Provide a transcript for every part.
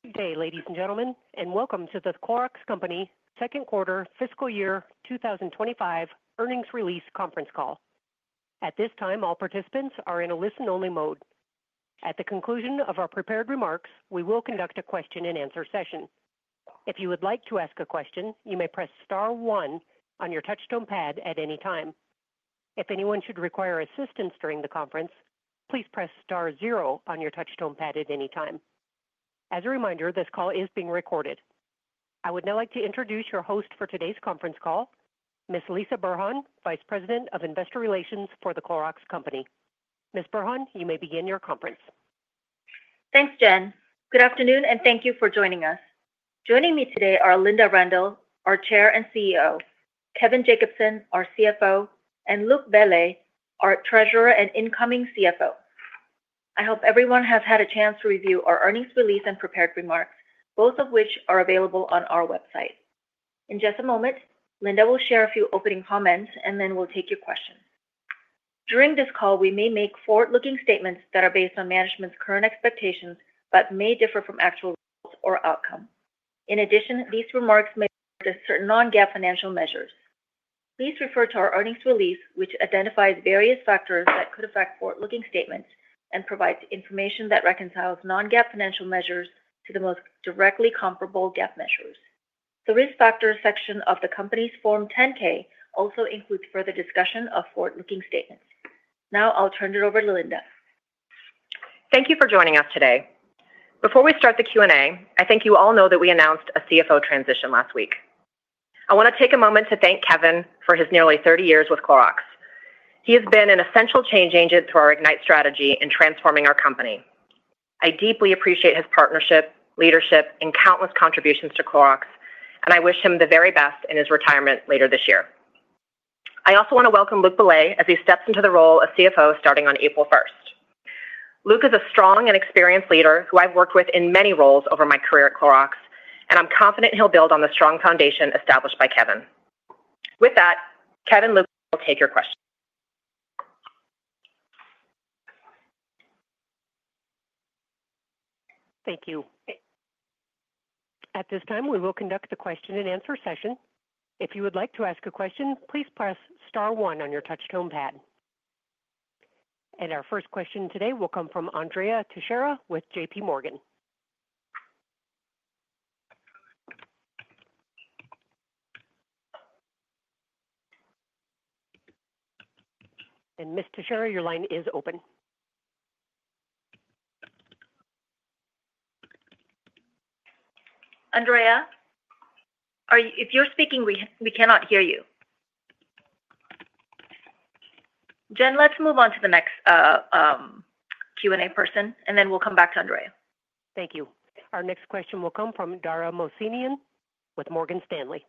Good day ladies and gentlemen and welcome to The Clorox Company second quarter fiscal year 2025 earnings release conference call. At this time, all participants are in a listen only mode. At the conclusion of our prepared remarks, we will conduct a question and answer session. If you would like to ask a question, you may press Star one on your touch-tone pad at any time. If anyone should require assistance during the conference, please press Star zero on your touch-tone pad at any time. As a reminder, this call is being recorded. I would now like to introduce your host for today's conference call, Ms. Lisah Burhan, Vice President of Investor Relations for The Clorox Company. Ms. Burhan, you may begin your conference. Thanks, Jen. Good afternoon and thank you for joining us. Joining me today are Linda Rendle, our Chair and CEO, Kevin Jacobsen, our CFO, and Luc Bellet, our Treasurer and incoming CFO. I hope everyone has had a chance to review our earnings release and prepared remarks, both of which are available on our website. In just a moment, Linda will share a few opening comments and then we'll take your questions. During this call, we may make forward-looking statements that are based on management's current expectations but may differ from actual results or outcome. In addition, these remarks may refer to certain non-GAAP financial measures. Please refer to our earnings release which identifies various factors that could affect forward-looking statements and provides information that reconciles non-GAAP financial measures to the most directly comparable GAAP measures. The Risk Factors section of the company's Form 10-K also includes further discussion of forward-looking statements. Now I'll turn it over to Linda. Thank you for joining us today. Before we start the Q&A, I think you all know that we announced a CFO transition last week. I want to take a moment to thank Kevin for his nearly 30 years with Clorox. He has been an essential change agent through our Ignite strategy in transforming our company. I deeply appreciate his partnership, leadership and countless contributions to Clorox and I wish him the very best in his retirement later this year. I also want to welcome Luc Bellet as he steps into the role of CFO starting on April 1st. Luc is a strong and experienced leader who I've worked with in many roles over my career at Clorox and I'm confident he'll build on the strong foundation established by Kevin. With that, Kevin, Luc will take your questions. Thank you. At this time we will conduct the question and answer session. If you would like to ask a question, please press Star one on your touch tone pad and our first question today will come from Andrea Teixeira with JPMorgan. And Ms. Teixeira, your line is open. Andrea, if you're speaking, we cannot hear you. Jen, let's move on to the next Q&A person and then we'll come back to Andrea. Thank you. Our next question will come from Dara Mohsenian with Morgan Stanley.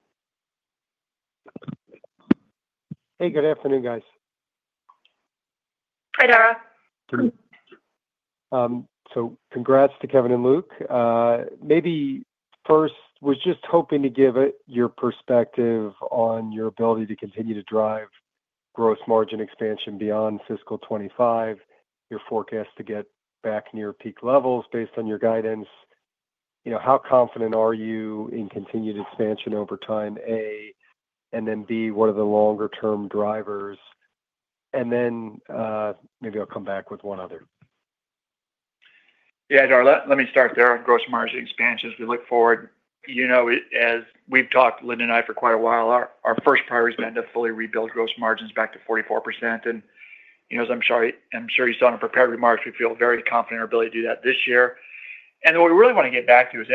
Hey, good afternoon, guys. Hi, Dara. So congrats to Kevin and Luc. Maybe first was just hoping to give it your perspective on your ability to continue to drive gross margin expansion beyond fiscal 2025, your forecast to get back near peak levels based on your guidance. You know, how confident are you in continued expansion over time A and then B, what are the longer term drivers? And then maybe I'll come back with one other. Yeah, Dara, let me start there on gross margin expansion as we look forward, you know, as we've talked, Linda and I, for quite a while, our first priority has been to fully rebuild gross margins back to 44%. And you know, as I'm sorry, I'm sure you saw in prepared remarks, we feel very confident our ability to do that this year. And what we really want to get back to is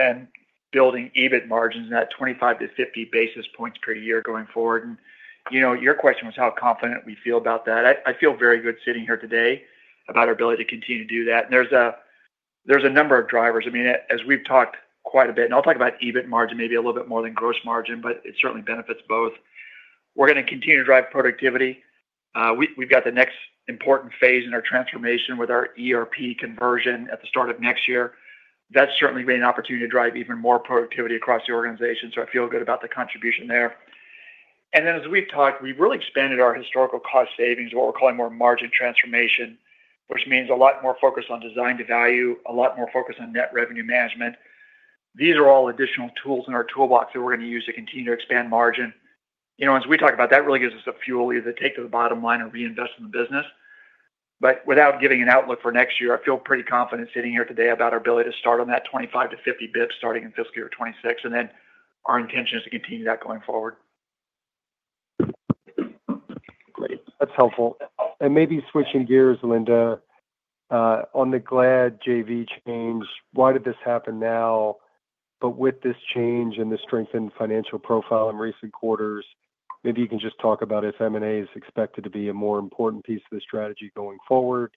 building EBIT margins at 25 basis points-50 basis points per year going forward. And you know, your question was how confident we feel about that. I feel very good sitting here today about our ability to continue to do that. There's a number of drivers. I mean, as we've talked quite a bit and I'll talk about EBIT margin, maybe a little bit more than gross margin, but it certainly benefits both. We're going to continue to drive productivity. We've got the next important phase in our transformation with our ERP conversion at the start of next year. That's certainly been an opportunity to drive even more productivity across the organization. So I feel good about the contribution there. And then as we've talked, we've really expanded our historical cost savings. What we're calling more margin transformation, which means a lot more focus on design to value, a lot more focus on net revenue management. These are all additional tools in our toolbox that we're going to use to continue to expand margin. You know, as we talk about that really gives us the fuel either take to the bottom line or reinvest in the business. But without giving an outlook for next year, I feel pretty confident sitting here today about our ability to start on that 25 basis points-50 basis points starting in fiscal year 2026. And then our intention is to continue that going great. That's helpful. And maybe switching gears, Linda, on the Glad JV change. Why did this happen now? But with this change and the strengthened financial profile in recent quarters, maybe you can just talk about if M&A is expected to be a more important piece of the strategy going forward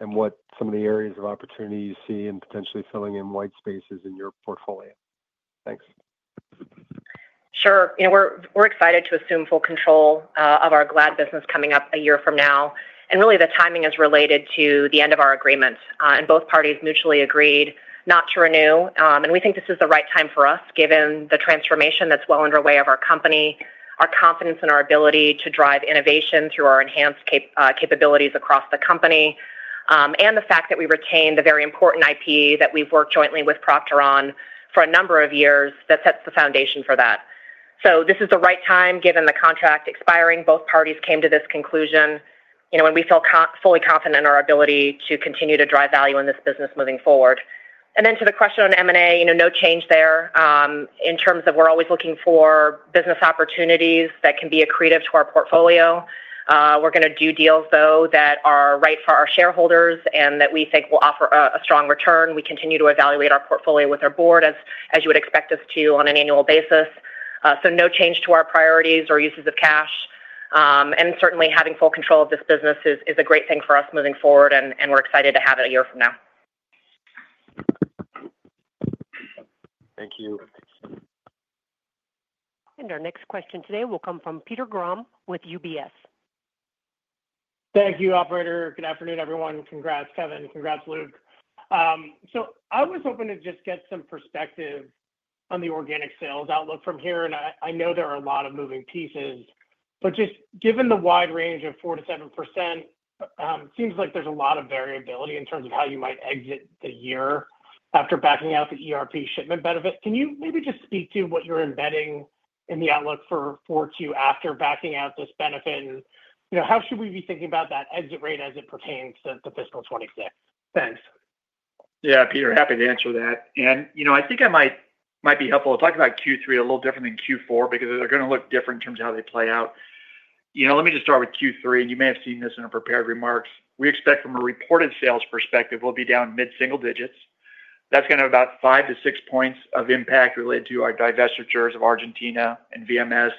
and what some of the areas of opportunity you see in potentially filling in white spaces in your portfolio? Thanks. Sure. We're excited to assume full control of our Glad business coming up a year from now. And really the timing is related to the end of our agreement and both parties mutually agreed not to renew. And we think this is the right time for us, given the transformation that's well underway of our company, our confidence in our ability to drive innovation through our enhanced capabilities across the company, and the fact that we retained a very important IP that we've worked jointly with Procter on for a number of years, that sets the foundation for that. So this is the right time. Given the contract expiring. Both parties came to this conclusion and we feel fully confident in our ability to continue to drive value in this business moving forward. And then to the question on M&A, no change there in terms of we're always looking for business opportunities that can be accretive to our portfolio. We're going to do deals, though, that are right for our shareholders and that we think will offer a strong return. We continue to evaluate our portfolio with our board as you would expect us to on an annual basis. So no change to our priorities or uses of cash. And certainly having full control of this business is a great thing for us moving forward and we're excited to have it a year from now. Thank you. Our next question today will come from Peter Grom with UBS. Thank you, Operator. Good afternoon, everyone. Congrats, Kevin. Congrats, Luc. So I was hoping to just get some perspective on the organic sales outlook from here. I know there are a lot. Of moving pieces, but just given the wide range of 4%-7%, seems like there's a lot of variability in terms of how you might exit the year after backing out the ERP shipment benefit. Can you maybe just speak to what? You're embedding in the outlook for 4Q. After backing out this benefit? How should we be thinking about that exit rate as it pertains to fiscal 2026? Thanks. Yeah, Peter, happy to answer that. And you know, I think I might be helpful to talk about Q3 a little different than Q4 because they're going to look different in terms of how they play out. You know, let me just start with Q3. And you may have seen this in our prepared remarks, we expect from a reported sales perspective we'll be down mid-single digits. That's going to have about five to six points of impact related to our divestitures of Argentina and VMS.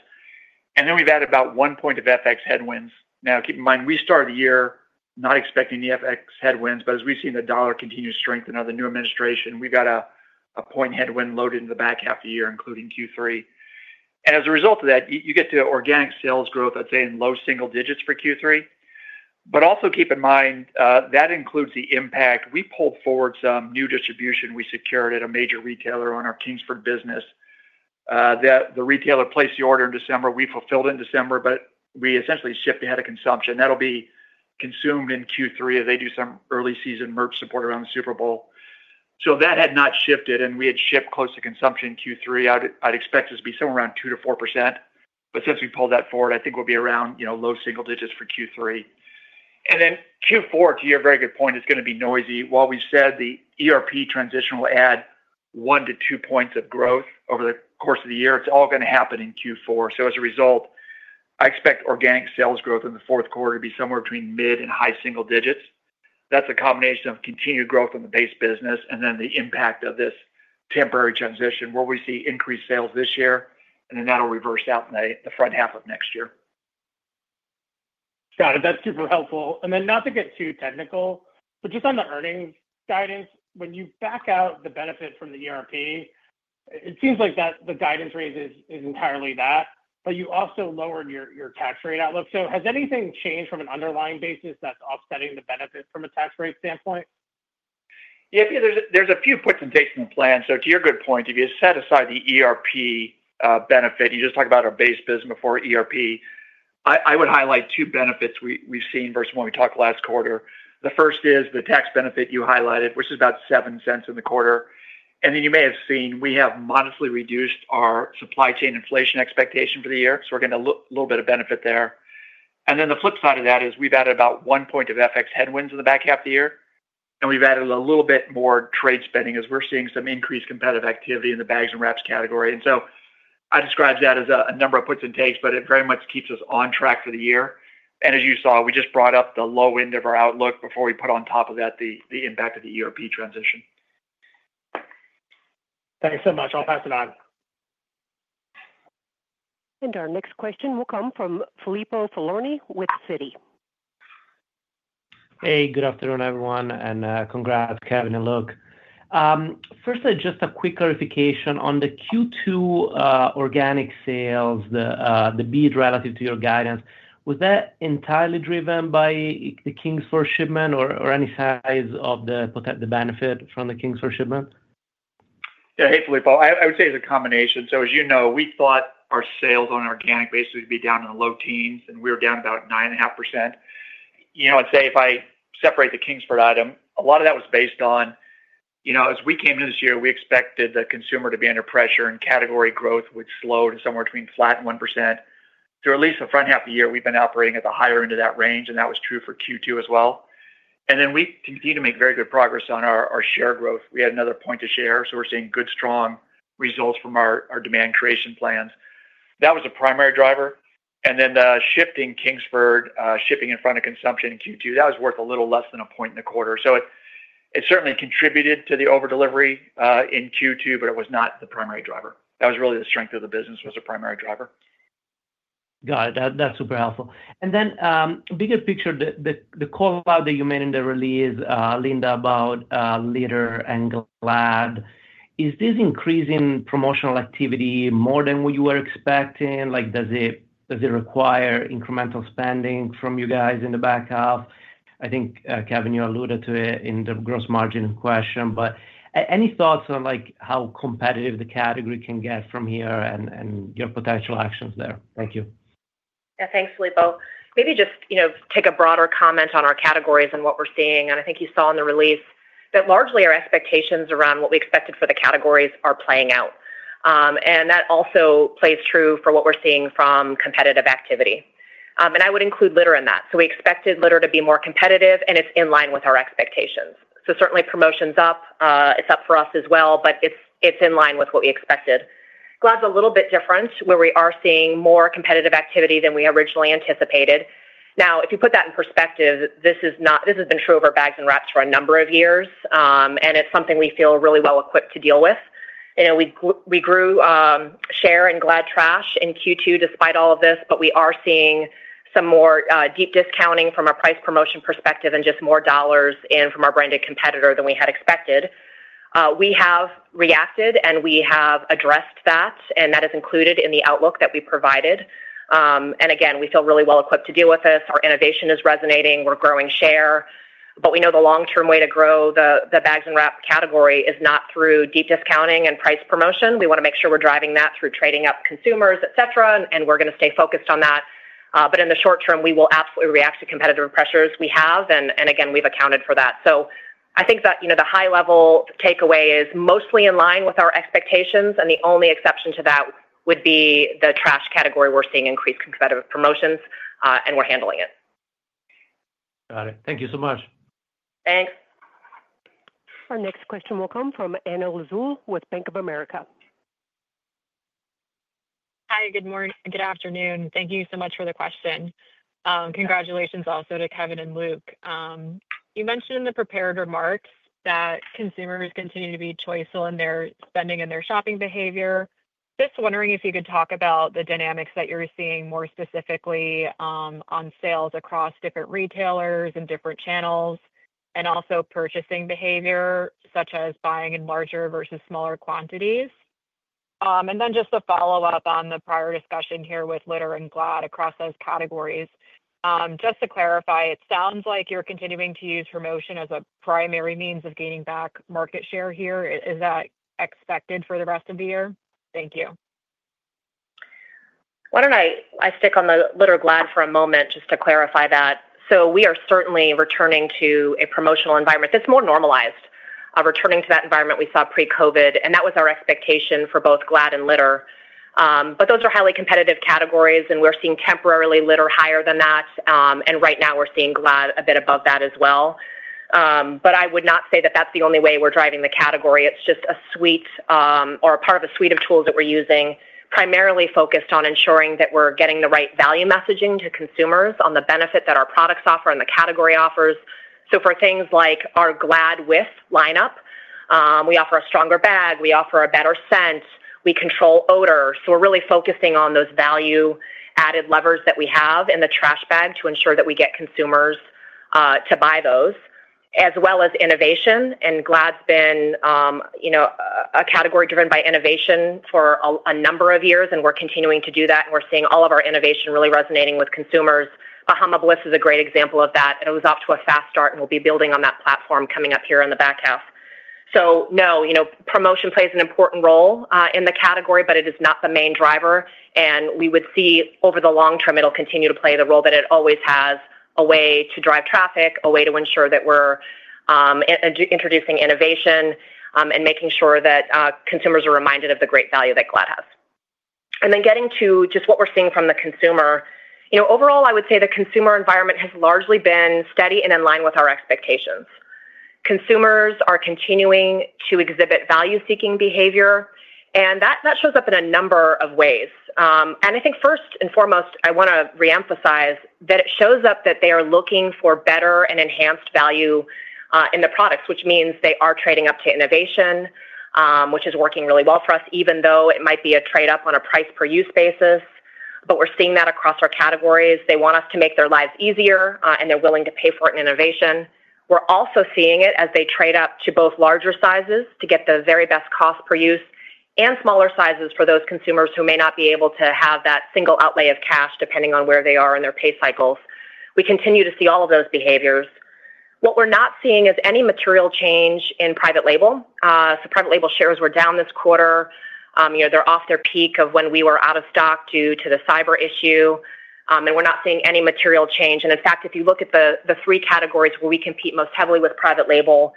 And then we've had about one point of FX headwinds. Now keep in mind we started the year not expecting the FX headwinds, but as we've seen the dollar continue to strengthen with the new administration, we've got a point headwind loaded in the back half of the year including Q3. And as a result of that, you get to organic sales growth. I'd say in low single digits for Q3. But also keep in mind that includes the impact we pulled forward. Some new distribution we secured at a major retailer on our Kingsford business that the retailer placed the order in December, we fulfilled in December. But we essentially shipped ahead of consumption that'll be consumed in Q3 as they do some early season merch support around the Super Bowl. So that had not shipped and we had shipped close to consumption in Q3. I'd expect this to be somewhere around 2%-4%. But since we pulled that forward, I think we'll be around low single digits for Q3 and then Q4 to your very good point is going to be noisy. While we said the ERP transition will add one to two points of growth over the course of the year, it's all going to happen in Q4. So as a result I expect organic sales growth in the fourth quarter to be somewhere between mid and high single digits. That's a combination of continued growth on the base business and then the impact of this temporary transition where we see increased sales this year and then that will reverse out the front half of next year. Got it. That's super helpful, and then not to get too technical. But just on the earnings guidance, when. You back out the benefit from the ERP. It seems like that's the guidance. Raises is entirely that. But you also lowered your tax rate outlook. So, has anything changed from an underlying? Basis that's offsetting the benefit from a tax rate standpoint? Yeah, there's a few puts and takes in the plan. So to your good point, if you set aside the ERP benefit you just talked about, our base business before ERP. I would highlight two benefits we've seen versus when we talked last quarter. The first is the tax benefit you highlighted, which is about $0.07 in the quarter. And then you may have seen we have modestly reduced our supply chain inflation expectation for the year. So we're getting a little bit of benefit there. And then the flip side of that is we've added about one point of FX headwinds in the back half of the year and we've added a little bit more trade spending as we're seeing some increased competitive activity in the bags and wraps category. And so I describe that as a number of puts and takes, but it very much keeps us on track for the year. And as you saw, we just brought up the low end of our outlook before we put on top of that the impact of the ERP transition. Thanks so much. I'll pass it on. And our next question will come from Filippo Falorni with Citi. Hey, good afternoon, everyone, and congrats, Kevin and Luc. Firstly, just a quick clarification on the Q2 organic sales. The beat relative to your guidance, was that entirely driven by the Kingsford shipment or any size of the potential benefit from the Kingsford shipment? Yeah. Hey, Filippo. I would say it's a combination. So as you know, we thought our sales on an organic basis would be down in the low teens and we were down about 9.5%. You know, I'd say if I separate the Kingsford item, a lot of that was based on, you know, as we came into this year, we expected the consumer to be under pressure and category growth would slow to somewhere between flat and 1% through at least the front half of the year. We've been operating at the higher end of that range and that was true for Q2 as well. And then we continue to make very good progress on our share growth. We had another point to share. So we're seeing good, strong results from our demand creation plans. That was a primary driver. And then the shifting Kingsford shipping in front of consumption in Q2, that was worth a little less than a point in the quarter. So it certainly contributed to the over delivery in Q2, but it was not the primary driver. That was really the strength of the business was a primary driver. Got it. That's super helpful. And then bigger picture, the call out. That you made in the release. Linda, about litter and Glad. Is this increasing promotional activity more than what you were expecting? Like, does it require incremental spending from you guys in the back half? I think, Kevin, you alluded to it in the gross margin question, but any thoughts on how competitive the category can get from here and your potential actions there? Thank you. Thanks, Filippo. Maybe just, you know, take a broader comment on our categories and what we're seeing, and I think you saw in the release that largely our expectations around what we expected for the categories are playing out and that also plays true for what we're seeing from competitive activity. And I would include litter in that. So we expected litter to be more competitive and it's in line with our expectations. So certainly promotion's up. It's up for us as well. But it's in line with what we expected. Glad's a little bit different where we are seeing more competitive activity than we originally anticipated. Now if you put that in perspective, this is not. This has been true of our bags and wraps for a number of years and it's something we feel really well equipped to deal with. We grew share in Glad trash in Q2 despite all of this, but we are seeing some more deep discounting from a price promotion perspective and just more dollars in from our branded competitor than we had expected. We have reacted and we have addressed that and that is included in the outlook that we provided. And again, we feel really well equipped to deal with this. Our innovation is resonating, we're growing share but we know the long-term way to grow the bags and wrap category is not through deep discounting and price promotion. We want to make sure we're driving that through trading up consumers, et cetera. And we're going to stay focused on that. But in the short term we will absolutely react to competitive pressures we have. And again, we've accounted for that. So I think that, you know, the high level takeaway is mostly in line with our expectations and the only exception to that would be the trash category. We're seeing increased competitive promotions and we're handling it. Got it. Thank you so much. Thanks. Our next question will come from Anna Lizzul with Bank of America. Hi, good morning. Good afternoon. Thank you so much for the question. Congratulations also to Kevin and Luc. You mentioned in the prepared remarks that consumers continue to be choiceful in their spending and their shopping behavior. Just wondering if you could talk about the dynamics that you're seeing more specifically on sales across different retailers and different channels and also purchasing behavior such as buying in larger versus smaller quantities. And then just a follow up on the prior discussion here with litter and Glad across those categories. Just to clarify, it sounds like you're continuing to use promotion as a primary means of gaining back market share here. Is that expected for the rest of the year? Thank you. Why don't I stick on the litter Glad for a moment just to clarify that. We are certainly returning to a promotional environment that's more normalized. Returning to that environment we saw pre-COVID and that was our expectation for both Glad and litter. But those are highly competitive categories and we're seeing temporarily litter higher than that. And right now we're seeing Glad a bit above that as well. But I would not say that that's the only way we're driving the category. It's just a suite or part of a suite of tools that we're using, primarily focused on ensuring that we're getting the right value messaging to consumers on the benefit that our products offer and the category offers. For things like our Glad lineup, we offer a stronger bag, we offer a better scent, we control odor. So we're really focusing on those value added levers that we have in the trash bag to ensure that we get consumers to buy those as well as innovation. And Glad's been a category driven by innovation for a number of years and we're continuing to do that. And we're seeing all of our innovation really resonating with consumers. Bahama Bliss is a great example of that. It was off to a fast start and we'll be building on that platform coming up here in the back half. So no, promotion plays an important role in the category, but it is not the main driver. And we would see over the long term it will continue to play the role that it always has. A way to drive traffic, a way to ensure that we're introducing innovation and making sure that consumers are reminded of the great value that Glad has, and then getting to just what we're seeing from the consumer. Overall, I would say the consumer environment has largely been steady and in line with our expectations. Consumers are continuing to exhibit value-seeking behavior, and that shows up in a number of ways, and I think first and foremost I want to reemphasize that it shows up that they are looking for better and enhanced value in the products, which means they are trading up to innovation, which is working really well for us, even though it might be a trade up on a price per use basis, but we're seeing that across our categories. They want us to make their lives easier and they're willing to pay for it in innovation. We're also seeing it as they trade up to both larger sizes to get the very best cost per use and smaller sizes for those consumers who may not be able to have that single outlay of cash depending on where they are in their pay cycles. We continue to see all of those behaviors. What we're not seeing is any material change in private label. So private label shares were down this quarter. They're off their peak of when we were out of stock due to the cyber issue and we're not seeing any material change. And in fact, if you look at the three categories where we compete most heavily with private label,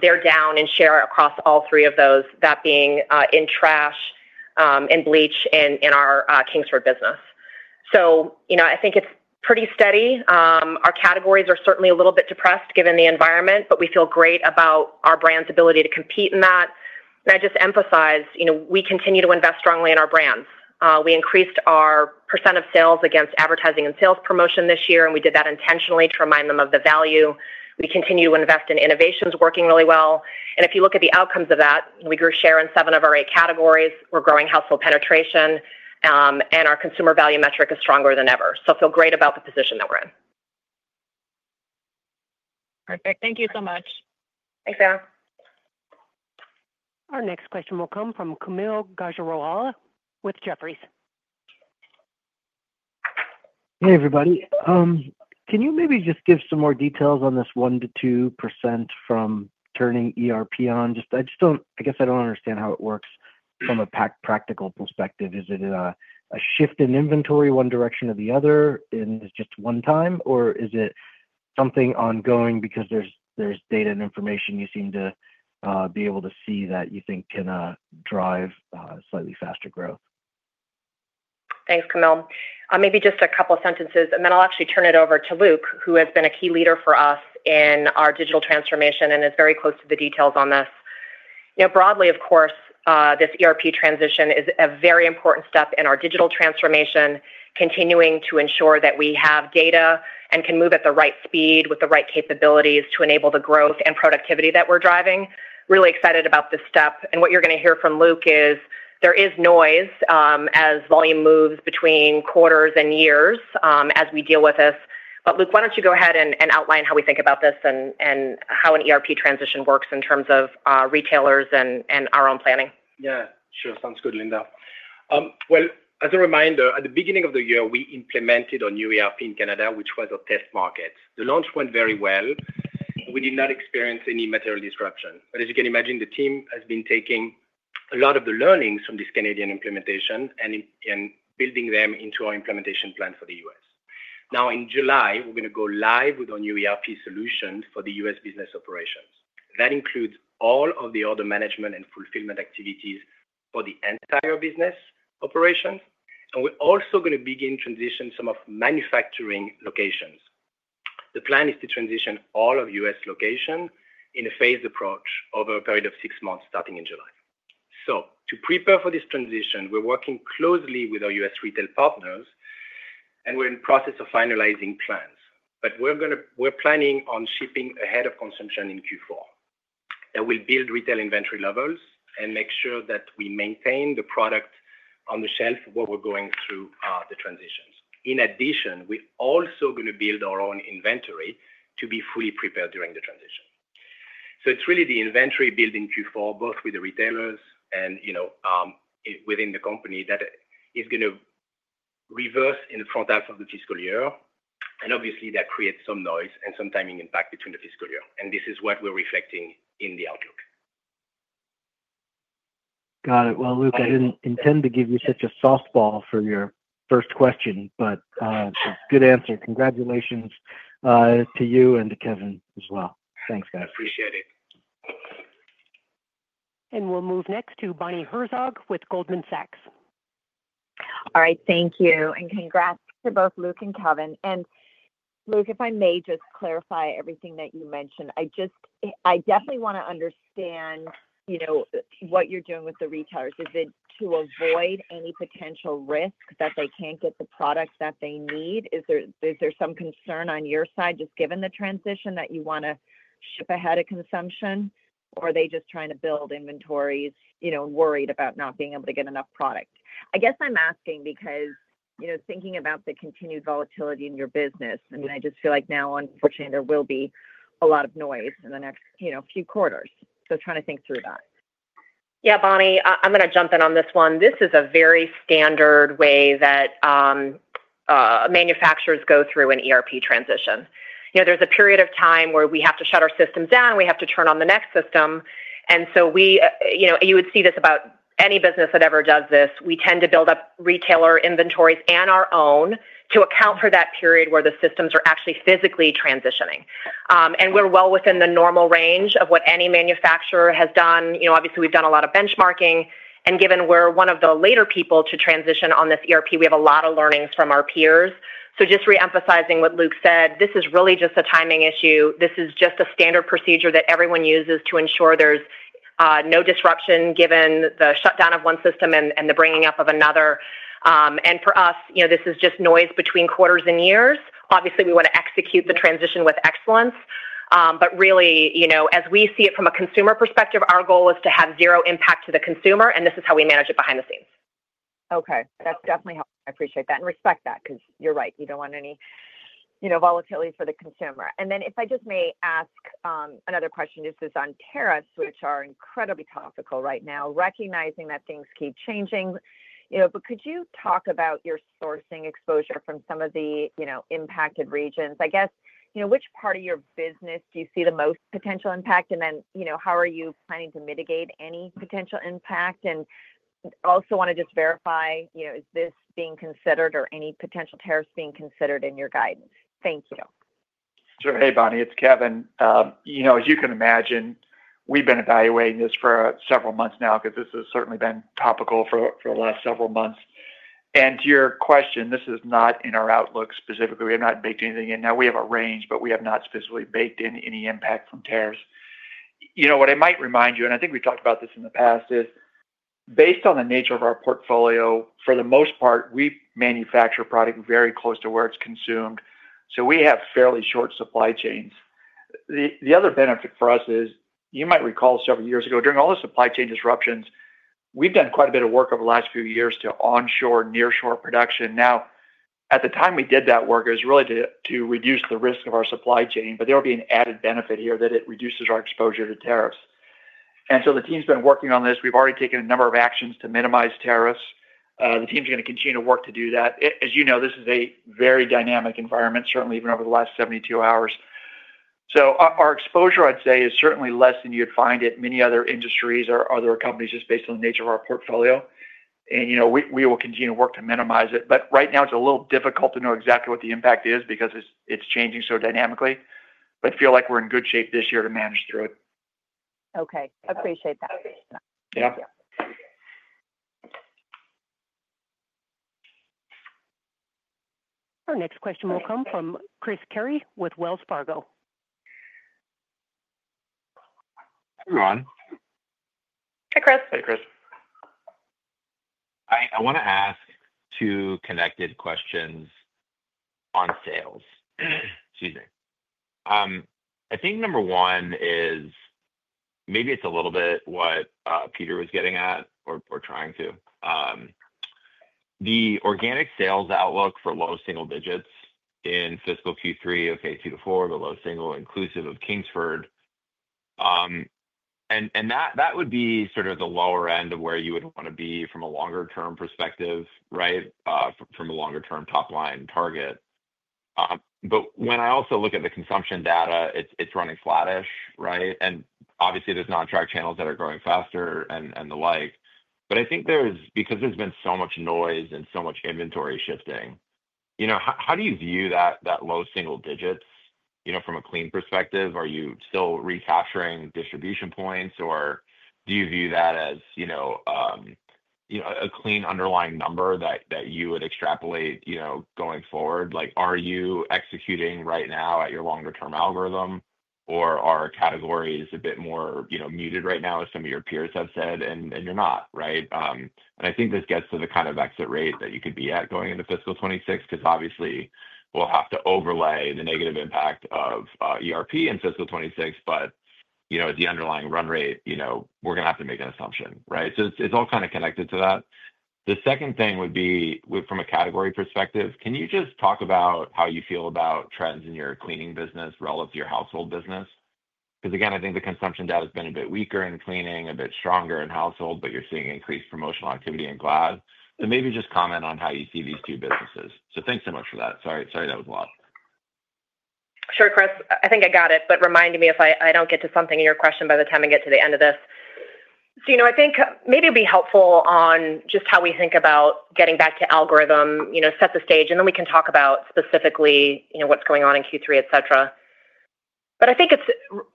they're down in share across all three of those, that being in trash, in bleach, and our Kingsford business. So I think it's pretty steady. Our categories are certainly a little bit depressed given the environment, but we feel great about our brand's ability to compete in that. I just emphasize we continue to invest strongly in our brands. We increased our percent of sales against advertising and sales promotion this year, and we did that intentionally to remind them of the value we continue to invest in innovations working really well. And if you look at the outcomes of that, we grew share in seven of our eight categories. We're growing Household penetration, and our consumer value metric is stronger than ever. So I feel great about the position that we're in. Perfect. Thank you so much. Thanks, Anna. Our next question will come from Kaumil Gajrawala with Jefferies. Hey everybody, can you maybe just give some more details on this 1%-2% from turning ERP on? Just, I just don't, I guess I don't understand how it works from a practical perspective. Is it a shift in inventory one direction or the other, and it's just one time, or is it something ongoing because there's, there's data and information you seem to be able to see that you think can drive slightly faster growth? Thanks, Kaumil. Maybe just a couple of sentences and then I'll actually turn it over to Luc, who has been a key leader for us in our digital transformation and is very close to the details on this. Now, broadly, of course, this ERP transition is a very important step in our digital transformation, continuing to ensure that we have data and can move at the right speed with the right capabilities to enable the growth and productivity that we're driving. Really excited about this step and what you're going to hear from Luc is there is noise as volume moves between quarters and years as we deal with this. But Luc, why don't you go ahead and outline how we think about this and how an ERP transition works in terms of retailers and our own planning. Yeah, sure. Sounds good, Linda. As a reminder, at the beginning of the year, we implemented our new ERP in Canada, which was our test market. The launch went very well. We did not experience any material disruption. As you can imagine, the team has been taking a lot of the learnings from this Canadian implementation. And building them into our implementation plan for the U.S. Now in July, we're going to go live with our new ERP solutions for the U.S. business operations. That includes all of the order management and fulfillment activities for the entire business operations. And we're also going to begin transition some of manufacturing locations. The plan is to transition all of U.S. location in a phased approach over a period of six months starting in July. To prepare for this transition, we're working closely with our U.S. retail partners and we're in process of finalizing plans, but we're planning on shipping ahead of consumption in Q4. That will build retail inventory levels and make sure that we maintain the product on the shelf while we're going through the transitions. In addition, we also going to build our own inventory to be fully prepared during the transition. It's really the inventory build in Q4, both with the retailers and within the company, that is going to reverse in the front half of the fiscal year. And obviously that creates some noise and some timing impact between the fiscal year and this is what we're reflecting in the outlook. Got it. Well, Luc, I didn't intend to give you such a softball for your first question, but good answer. Congratulations to you and to Kevin as well. Thanks guys. Appreciate it. And we'll move next to Bonnie Herzog with Goldman Sachs. All right, thank you and congrats to both Luc and Kevin. And Luc, if I may just clarify everything that you mentioned, I just, I definitely want to understand, you know, what you're doing with the retailers. Is it to avoid any potential risk that they can't get the product that they need? Is there, is there some concern on your side, just given the transition that you want to ship ahead of consumption or are they just trying to build inventories, you know, worried about not being able to get enough product? I guess I'm asking because, you know, thinking about the continued volatility in your business, I mean, I just feel like now, unfortunately there will be a lot of noise in the next, you know, few quarters. So trying to think through that. Yeah, Bonnie, I'm going to jump in on this one. This is a very standard way that manufacturers go through an ERP transition. You know, there's a period of time where we have to shut our systems down, we have to turn on the next system. And so we, you know, you would see this about any business that ever does this. We tend to build up retailer inventories and our own to account for that period where the systems are actually physically transitioning. And we're well within the normal range of what any manufacturer has done. You know, obviously we've done a lot of benchmarking, and given we're one of the later people to transition on this ERP, we have a lot of learnings from our peers. So just reemphasizing what Luc said, this is really just a timing issue. This is just a standard procedure that everyone uses to ensure there's no disruption given the shutdown of one system and the bringing up of another. And for us, you know, this is just noise between quarters and years. Obviously, we want to execute the transition with excellence, but really, you know, as we see it from a consumer perspective, our goal is to have zero impact to the consumer, and this is how we manage it behind the scenes. Okay, that's definitely helpful. I appreciate that and respect that, because you're right. You don't want any, you know, volatility for the consumer. And then, if I just may ask another question, is this on tariffs, which are incredibly topical right now, recognizing that things keep changing, but could you talk about your sourcing exposure from some of the impacted regions? I guess. Which part of your business do you see the most potential impact? And then how are you planning to mitigate any potential impact? And also want to just verify is this being considered or any potential tariffs being considered in your guidance? Thank you. Sure. Hey, Bonnie, it's Kevin. You know, as you can imagine, we've been evaluating this for several months now because this has certainly been topical for the last several months, and to your question, this is not in our outlook specifically. We have not baked anything in. Now we have a range, but we have not specifically baked in any impact from tariffs. You know, what I might remind you, and I think we've talked about this in the past, is based on the nature of our portfolio. For the most part, we manufacture product very close to where it's consumed. So we have fairly short supply chains. The other benefit for us is, you might recall several years ago, during all the supply chain disruptions, we've done quite a bit of work over the last few years to onshore, nearshore production. Now, at the time we did that work, it was really to reduce the risk of our supply chain. But there will be an added benefit here that it reduces our exposure to tariffs. And so the team's been working on this. We've already taken a number of actions to minimize tariffs. The team's going to continue to work to do that. As you know, this is a very dynamic environment, certainly even over the last 72 hours. So our exposure, I'd say is certainly less than you'd find at many other industries or other companies, just based on the nature of our portfolio. And you know, we will continue to work to minimize it, but right now it's a little difficult to know exactly what the impact is because it's changing so dynamically, but feel like we're in good shape this year to manage through it. Okay, appreciate that. Our next question will come from Chris Carey with Wells Fargo. Everyone. Hey, Chris. Hey, Chris. I want to ask two connected questions on sales. Excuse me. I think number one is maybe it's a little bit what Peter was getting at or trying to the organic sales outlook for low single digits in fiscal Q3. Okay. 2%-4%, the low single inclusive of Kingsford. And that would be sort of the lower end of where you would want to be from a longer term perspective, right? From a longer term top line target. But when I also look at the consumption data, it's running flattish, right? And obviously there's non track channels that are growing faster and the like, but I think there's. Because there's been so much noise and so much inventory shifting, you know, how do you view that, that low single digits, you know, from a clean perspective, are you still recapturing distribution points or do you view that as, you know, you know, a clean underlying number that you would extrapolate, you know, going forward? Like are you executing right at your longer term algorithm or our categories a bit more muted right now, as some of your peers have said, and you're not right. And I think this gets to the kind of exit rate that you could be at going into fiscal 2026, because obviously we'll have to overlay the negative impact of ERP in fiscal 2026. But the underlying run rate, we're going to have to make an assumption, right? So it's all kind of connected to that. The second thing would be from a category perspective, can you just talk about how you feel about trends in your cleaning business relative to your Household business? Because again, I think the consumption data has been a bit weaker in cleaning, a bit stronger in Household, but you're seeing increased promotional activity in Glad. And maybe just comment on how you see these two businesses. So thanks so much for that. Sorry, sorry, that was a lot. Sure, Chris, I think I got it. But remind me if I don't get to something in your question by the time I get to the end of this. So, you know, I think maybe it'd be helpful on just how we think about getting back to algorithm, you know, set the stage and then we can talk about specifically, you know, what's going on in Q3, et cetera. But I think it's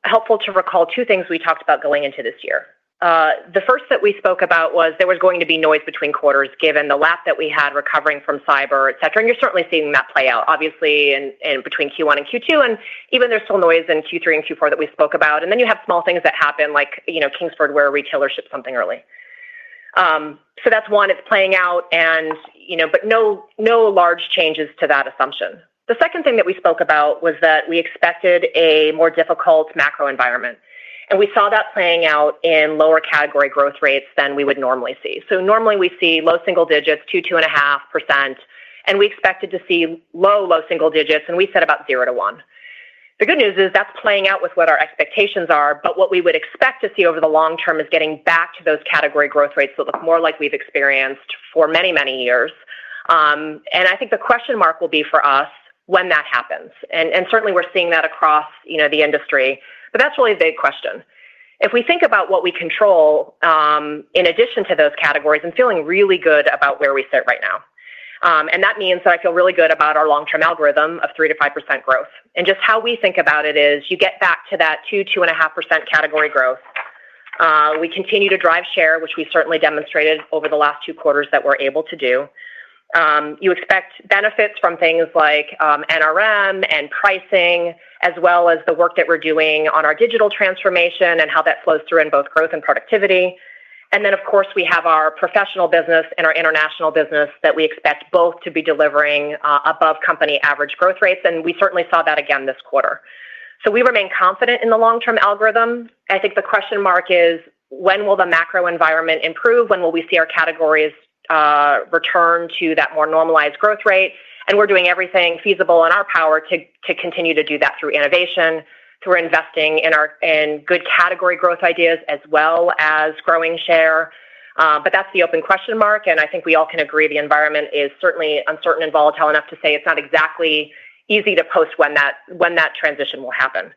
helpful to recall two things we talked about going into this year. The first that we spoke about was there was going to be noise between quarters, given the lap that we had recovering from cyber, et cetera. And you're certainly seeing that play out obviously between Q1 and Q2 and even there's still noise in Q3 and Q4 that we spoke about. And then you have small things that happen like, you know, Kingsford, where a retailer ships something early. So that's one. It's playing out. And you know, but no, no large changes to that assumption. The second thing that we spoke about was that we expected a more difficult macro environment and we saw that playing out in lower category growth rates than we would normally see. So normally we see low single digits to 2.5% and we expected to see low, low single digits and we said about zero to one. The good news is that's playing out with what our expectations are. But what we would expect to see over the long term is getting back to those category growth rates that look more like we've experienced for many, many years. And I think the question mark will be for us when that happens. Certainly we're seeing that across the industry. That's really a big question if we think about what we control in addition to those categories. I'm feeling really good about where we sit right now and that means that I feel really good about our long-term algorithm of 3%-5% growth. Just how we think about it is you get back to that 2%-2.5% category growth. We continue to drive share, which we certainly demonstrated over the last two quarters that we're able to do. You expect benefits from things like NRM and pricing as well as the work that we're doing on our digital transformation and how that flows through in both growth and productivity. Then of course we have our Professional business and our international business that we expect both to be delivering above company average growth rates. And we certainly saw that again this quarter. So we remain confident in the long term algorithm. I think the question mark is when will the macro environment improve? When will we see our categories return to that more normalized growth rate? And we're doing everything feasible in our power to continue to do that through innovation, through investing in good category growth ideas as well as growing share. But that's the open question mark. And I think we all can agree the environment is certainly uncertain and volatile enough to say it's not exactly easy to post when that transition will happen.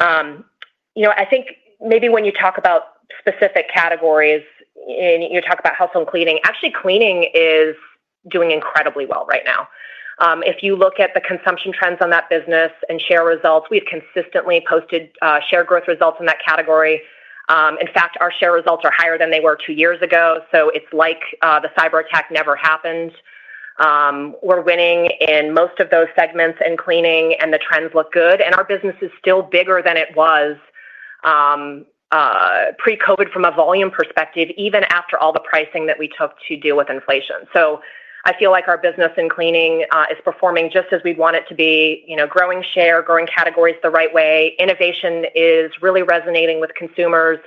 I think maybe when you talk about specific categories, you talk about Household cleaning. Actually cleaning is doing incredibly well right now. If you look at the consumption trends on that business and share results, we've consistently posted share growth results in that category. In fact, our share results are higher than they were two years ago. So it's like the cyber attack never happened. We're winning in most of those segments and cleaning, and the trends look good, and our business is still bigger than it was pre-COVID from a volume perspective even after all the pricing that we took to deal with inflation. So I feel like our business in cleaning is performing just as we'd want it to be. Growing share, growing categories the right way, innovation is really resonating with consumers,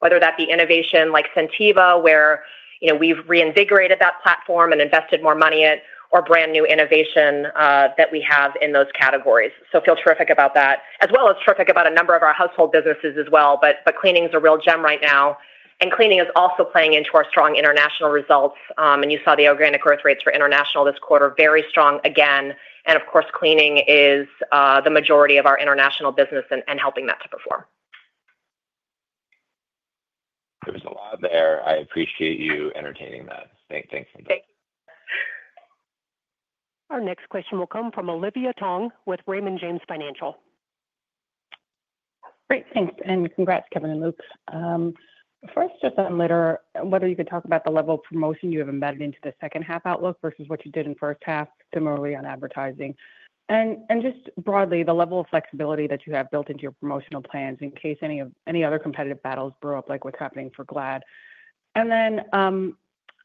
whether that be innovation like Scentiva where you know we've reinvigorated that platform and invested more money in or brand new innovation that we have in those categories. So feel terrific about that as well as terrific about a number of our Household businesses as well. But cleaning is a real gem right now and cleaning is also playing into our strong international results. And you saw the organic growth rates for international this quarter, very strong again. And of course cleaning is the majority of our international business and helping that to perform. There was a lot there. I appreciate you entertaining that. Thanks. Our next question will come from Olivia Tong with Raymond James Financial. Great. Thanks and congrats, Kevin and Luc. First, just on litter, whether you could talk about the level of promotion you have embedded into the second half outlook versus what you did in first half. Similarly on advertising and just broadly the level of flexibility that you have built into your promotional plans in case any other competitive battles brew up like happening for Glad and then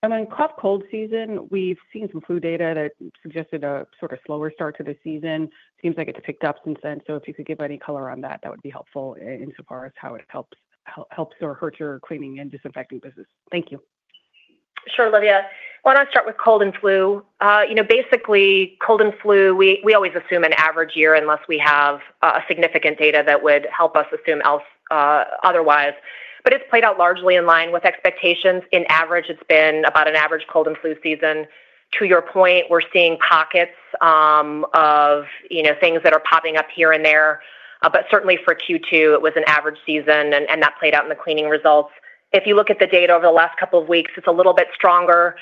cough cold season, we've seen some flu data that suggested a sort of slower start to the season. Seems like it's picked up since then. So if you could give any color on that, that would be helpful insofar as how it helps or hurts your cleaning and disinfecting business. Thank you. Sure. Olivia, why don't I start with cold and flu? You know, basically cold and flu, we always assume an average year unless we have significant data that would help us assume LSD otherwise. But it's played out largely in line with expectations. In average it's been about an average cold and flu season. To your point, we're seeing pockets of, you know, things that are popping up here and there, but certainly for Q2 it was an average season and that played out in the cleaning results. If you look at the data over the last couple of weeks, it's a little bit stronger.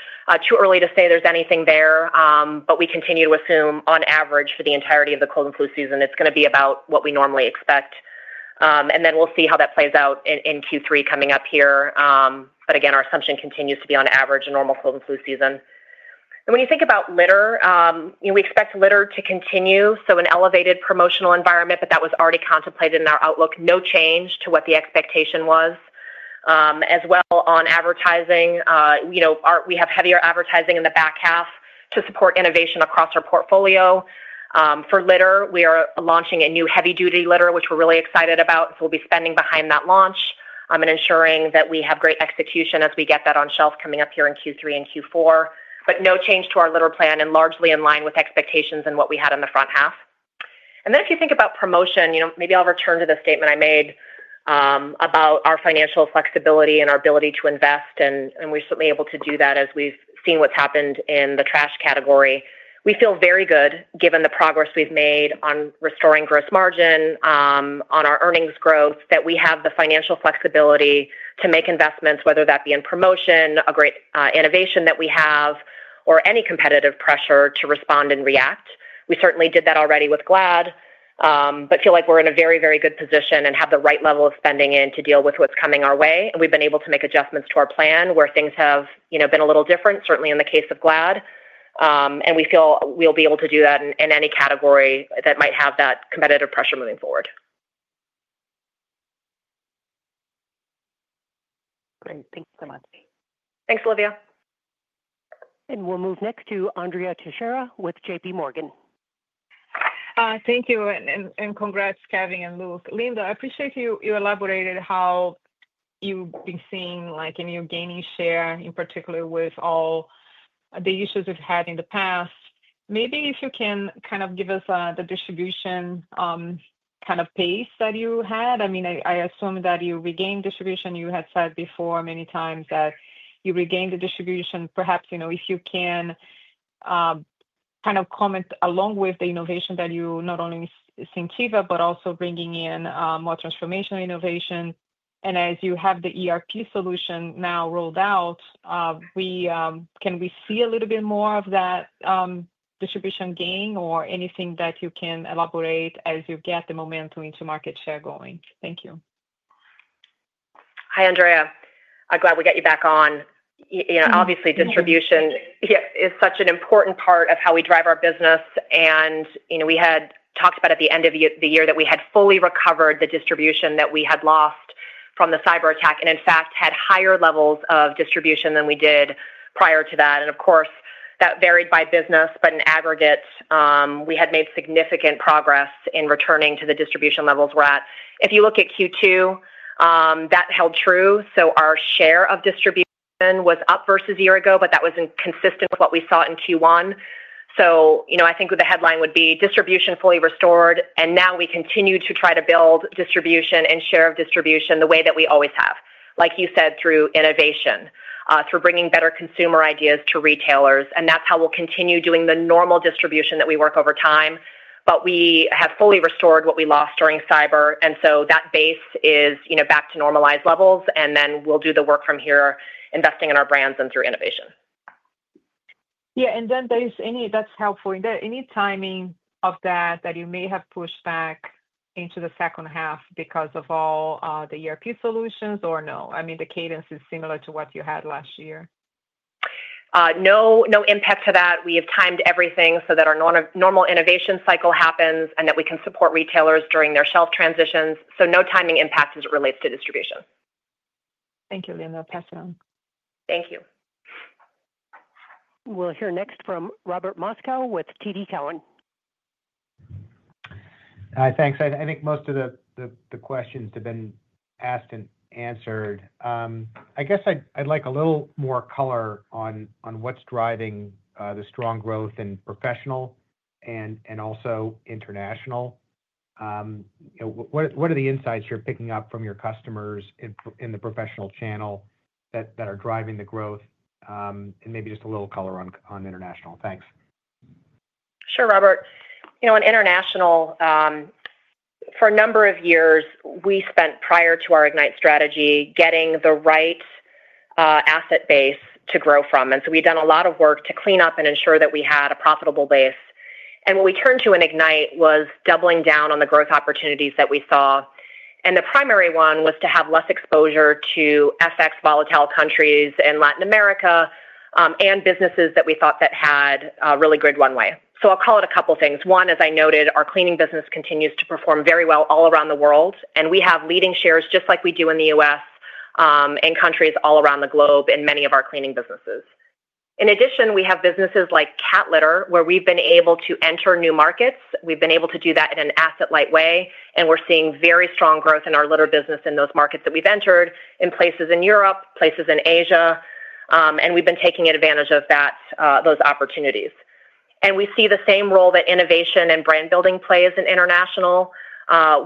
Too early to say there's anything there, but we continue to assume on average for the entirety of the cold and flu season it's going to be about what we normally expect and then we'll see how that plays out in Q3 coming up here. But again, our assumption continues to be on average a normal cold and flu season. And when you think about litter, we expect litter to continue. So an elevated promotional environment, but that was already contemplated in our outlook. No change to what the expectation was as well. On advertising, we have heavier advertising in the back half to support innovation across our portfolio for litter. We are launching a new heavy duty litter which we're really excited about. So we'll be spending behind that launch and ensuring that we have great execution as we get that on shelf coming up here in Q3 and Q4. But no change to our litter plan and largely in line with expectations and what we had in the front half. Then if you think about promotion, you know, maybe I'll return to the statement I made about our financial flexibility and our ability to invest. We're certainly able to do that as we've seeing what's happened in the trash category. We feel very good given the progress we've made on restoring gross margin on our earnings growth, that we have the financial flexibility to make investments, whether that be in promotion, a great innovation that we have or any competitive pressure to respond and react. We certainly did that already with Glad, but feel like we're in a very, very good position and have the right level of spending in to deal with what's coming our way. We've been able to make adjustments to our plan where things have been a little different, certainly in the case of Glad, and we feel we'll be able to do that in any category that might have that competitive pressure moving forward. Great. Thanks so much. Thanks Olivia. We'll move next to Andrea Teixeira with JPMorgan. Thank you and congrats Kevin and Luc. Linda, I appreciate you elaborated how you've been seeing like in your gaining share in particular with all the issues we've had in the past, maybe if you can kind of give us the distribution kind of pace that you had. I mean I assume that you regained distribution. You had said before many times that you regained the distribution. Perhaps you know, if you can kind of comment along with the innovation that you not only think but also bringing in more transformational innovation. And as you have the ERP solution now rolled out, can we see a little bit more of that distribution gain or anything that you can elaborate as you get the momentum into market share going? Thank you. Hi, Andrea. I'm glad we got you back on. Obviously, distribution is such an important part of how we drive our business, and we had talked about at the end of the year that we had fully recovered the distribution that we had lost from the cyber attack and in fact had higher levels of distribution than we did prior to that. Of course that varied by business, but in aggregate, we had made significant progress in returning to the distribution levels we're at. If you look at Q2, that held true. So our share of distribution was up versus a year ago, but that was consistent with what we saw in Q1. So I think the headline would be distribution fully restored. And now we continue to try to build distribution and share of distribution the way that we always have, like you said, through innovation, through bringing better consumer ideas to retailers. And that's how we'll continue doing the normal distribution that we work over time. But we have fully restored what we lost during cyber. And so that base is, you know, back to normalized levels. And then we'll do the work from here, investing in our brands and through innovation. Yeah, and then there's any that's helpful in that. Any timing of that that you may have pushed back into the second half because of all the ERP solutions or. No, I mean, the cadence is similar to what you had last year. No, no impact to that. We have timed everything so that our normal innovation cycle happens and that we can support retailers during their shelf transitions. So no timing impact as it relates to distribution. Thank you, Linda. I'll pass it on. Thank you. We'll hear next from Robert Moskow with TD Cowen. Hi, thanks. I think most of the questions have been asked and answered. I guess I'd like a little more color on what's driving the strong growth in Professional and also international. What are the insights you're picking up from your customers in the professional channel that are driving the growth and maybe just a little color on international? Thanks. Sure. Robert. You know, in international, for a number of years, we spent prior to our Ignite strategy getting the right asset base to grow from. And so we've done a lot of work to clean up and ensure that we had a profitable base. And what we turned to in Ignite was doubling down on the growth opportunities that we saw. And the primary one was to have less exposure to FX volatile countries in Latin America and businesses that we thought that had really limited runway. So I'll call it a couple things. One, as I noted, our cleaning business continues to perform very well all around the world. And we have leading shares just like we do in the U.S. in countries all around the globe, in many of our cleaning businesses. In addition, we have businesses like cat litter where we've been able to enter new markets. We've been able to do that in an asset light way. And we're seeing very strong growth in our litter business in those markets that we've entered in places in Europe, places in Asia. And we've been taking advantage of those opportunities and we see the same role that innovation and brand building plays in international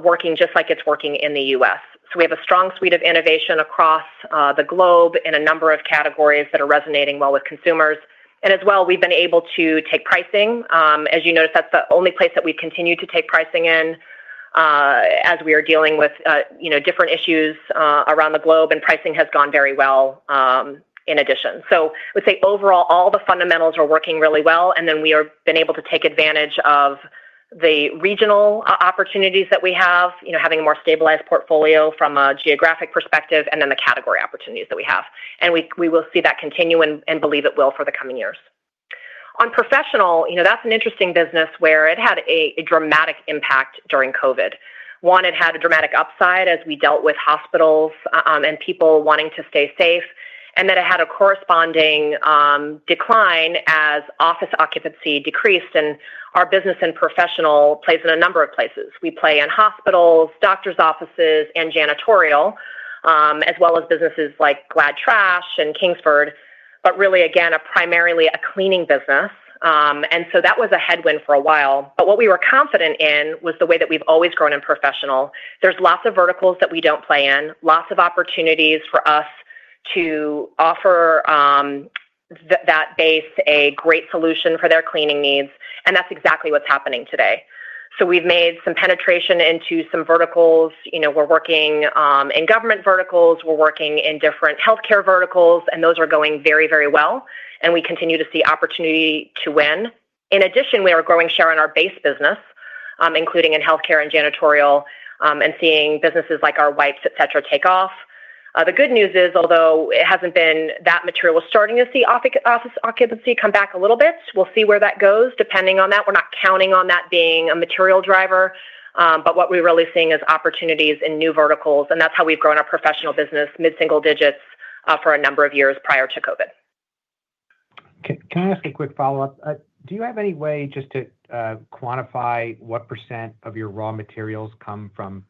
working just like it's working in the U.S. So we have a strong suite of innovation across the globe in a number of categories that are resonating well with consumers. And as well we've been able to take pricing, as you notice, that's the only place that we've continued to take pricing in as we are dealing with different issues around the globe and pricing has gone very well in addition. So I would say overall all the fundamentals are working really well. And then we have been able to take advantage of the regional opportunities that we have, you know, having a more stabilized portfolio from a geographic perspective and then the category opportunities that we have and we will see that continue and believe it will for the coming years. On Professional, you know, that's an interesting business where it had a dramatic impact during COVID-19. It had a dramatic upside as we dealt with hospitals and people wanting to stay safe and then it had a corresponding decline as office occupancy decreased. And our business in Professional plays in a number of places. We play in healthcare, hospitals, doctors' offices and janitorial as well as businesses like Glad trash and Kingsford. But really again primarily a cleaning business. And so that was a headwind for a while. But what we were confident in was the way that we've always grown in Professional. There's lots of verticals that we don't play in, lots of opportunities for us to offer that base a great solution for their cleaning needs. And that's exactly what's happening today. So we've made some penetration into some verticals. You know, we're working in government verticals, we're working in different healthcare verticals and those are going very, very well. And we continue to see opportunity to win. In addition, we are growing share on our base business including in health care and janitorial and seeing businesses like our wipes, et cetera, take off. The good news is, although it hasn't been that material, we're starting to see office occupation come back a little bit. We'll see where that goes depending on that. We're not counting on that being a material driver, but what we're really seeing is opportunities in new verticals and that's how we've grown our Professional business mid single digits for a number of years. Prior to COVID. Can I ask a quick follow up? Do you have any way just to quantify what % of your raw materials come from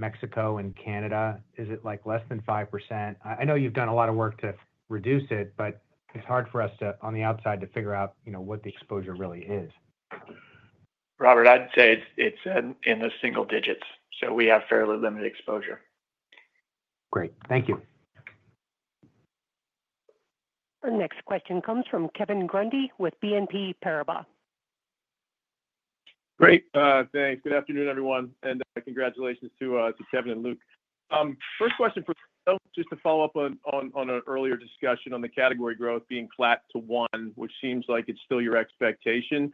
Mexico and Canada? Is it like less than 5%? I know you've done a lot of work to reduce it, but it's hard for us to on the outside to figure out, you know, what the exposure really is. Robert? I'd say it's in the single digits. So we have fairly limited exposure. Great, thank you. Our next question comes from Kevin Grundy with BNP Paribas. Great, thanks. Good afternoon, everyone, and congratulations to Kevin and Luc. First question, just to follow up on an earlier discussion on the category growth being flat to one, which seems like it's still your expectation.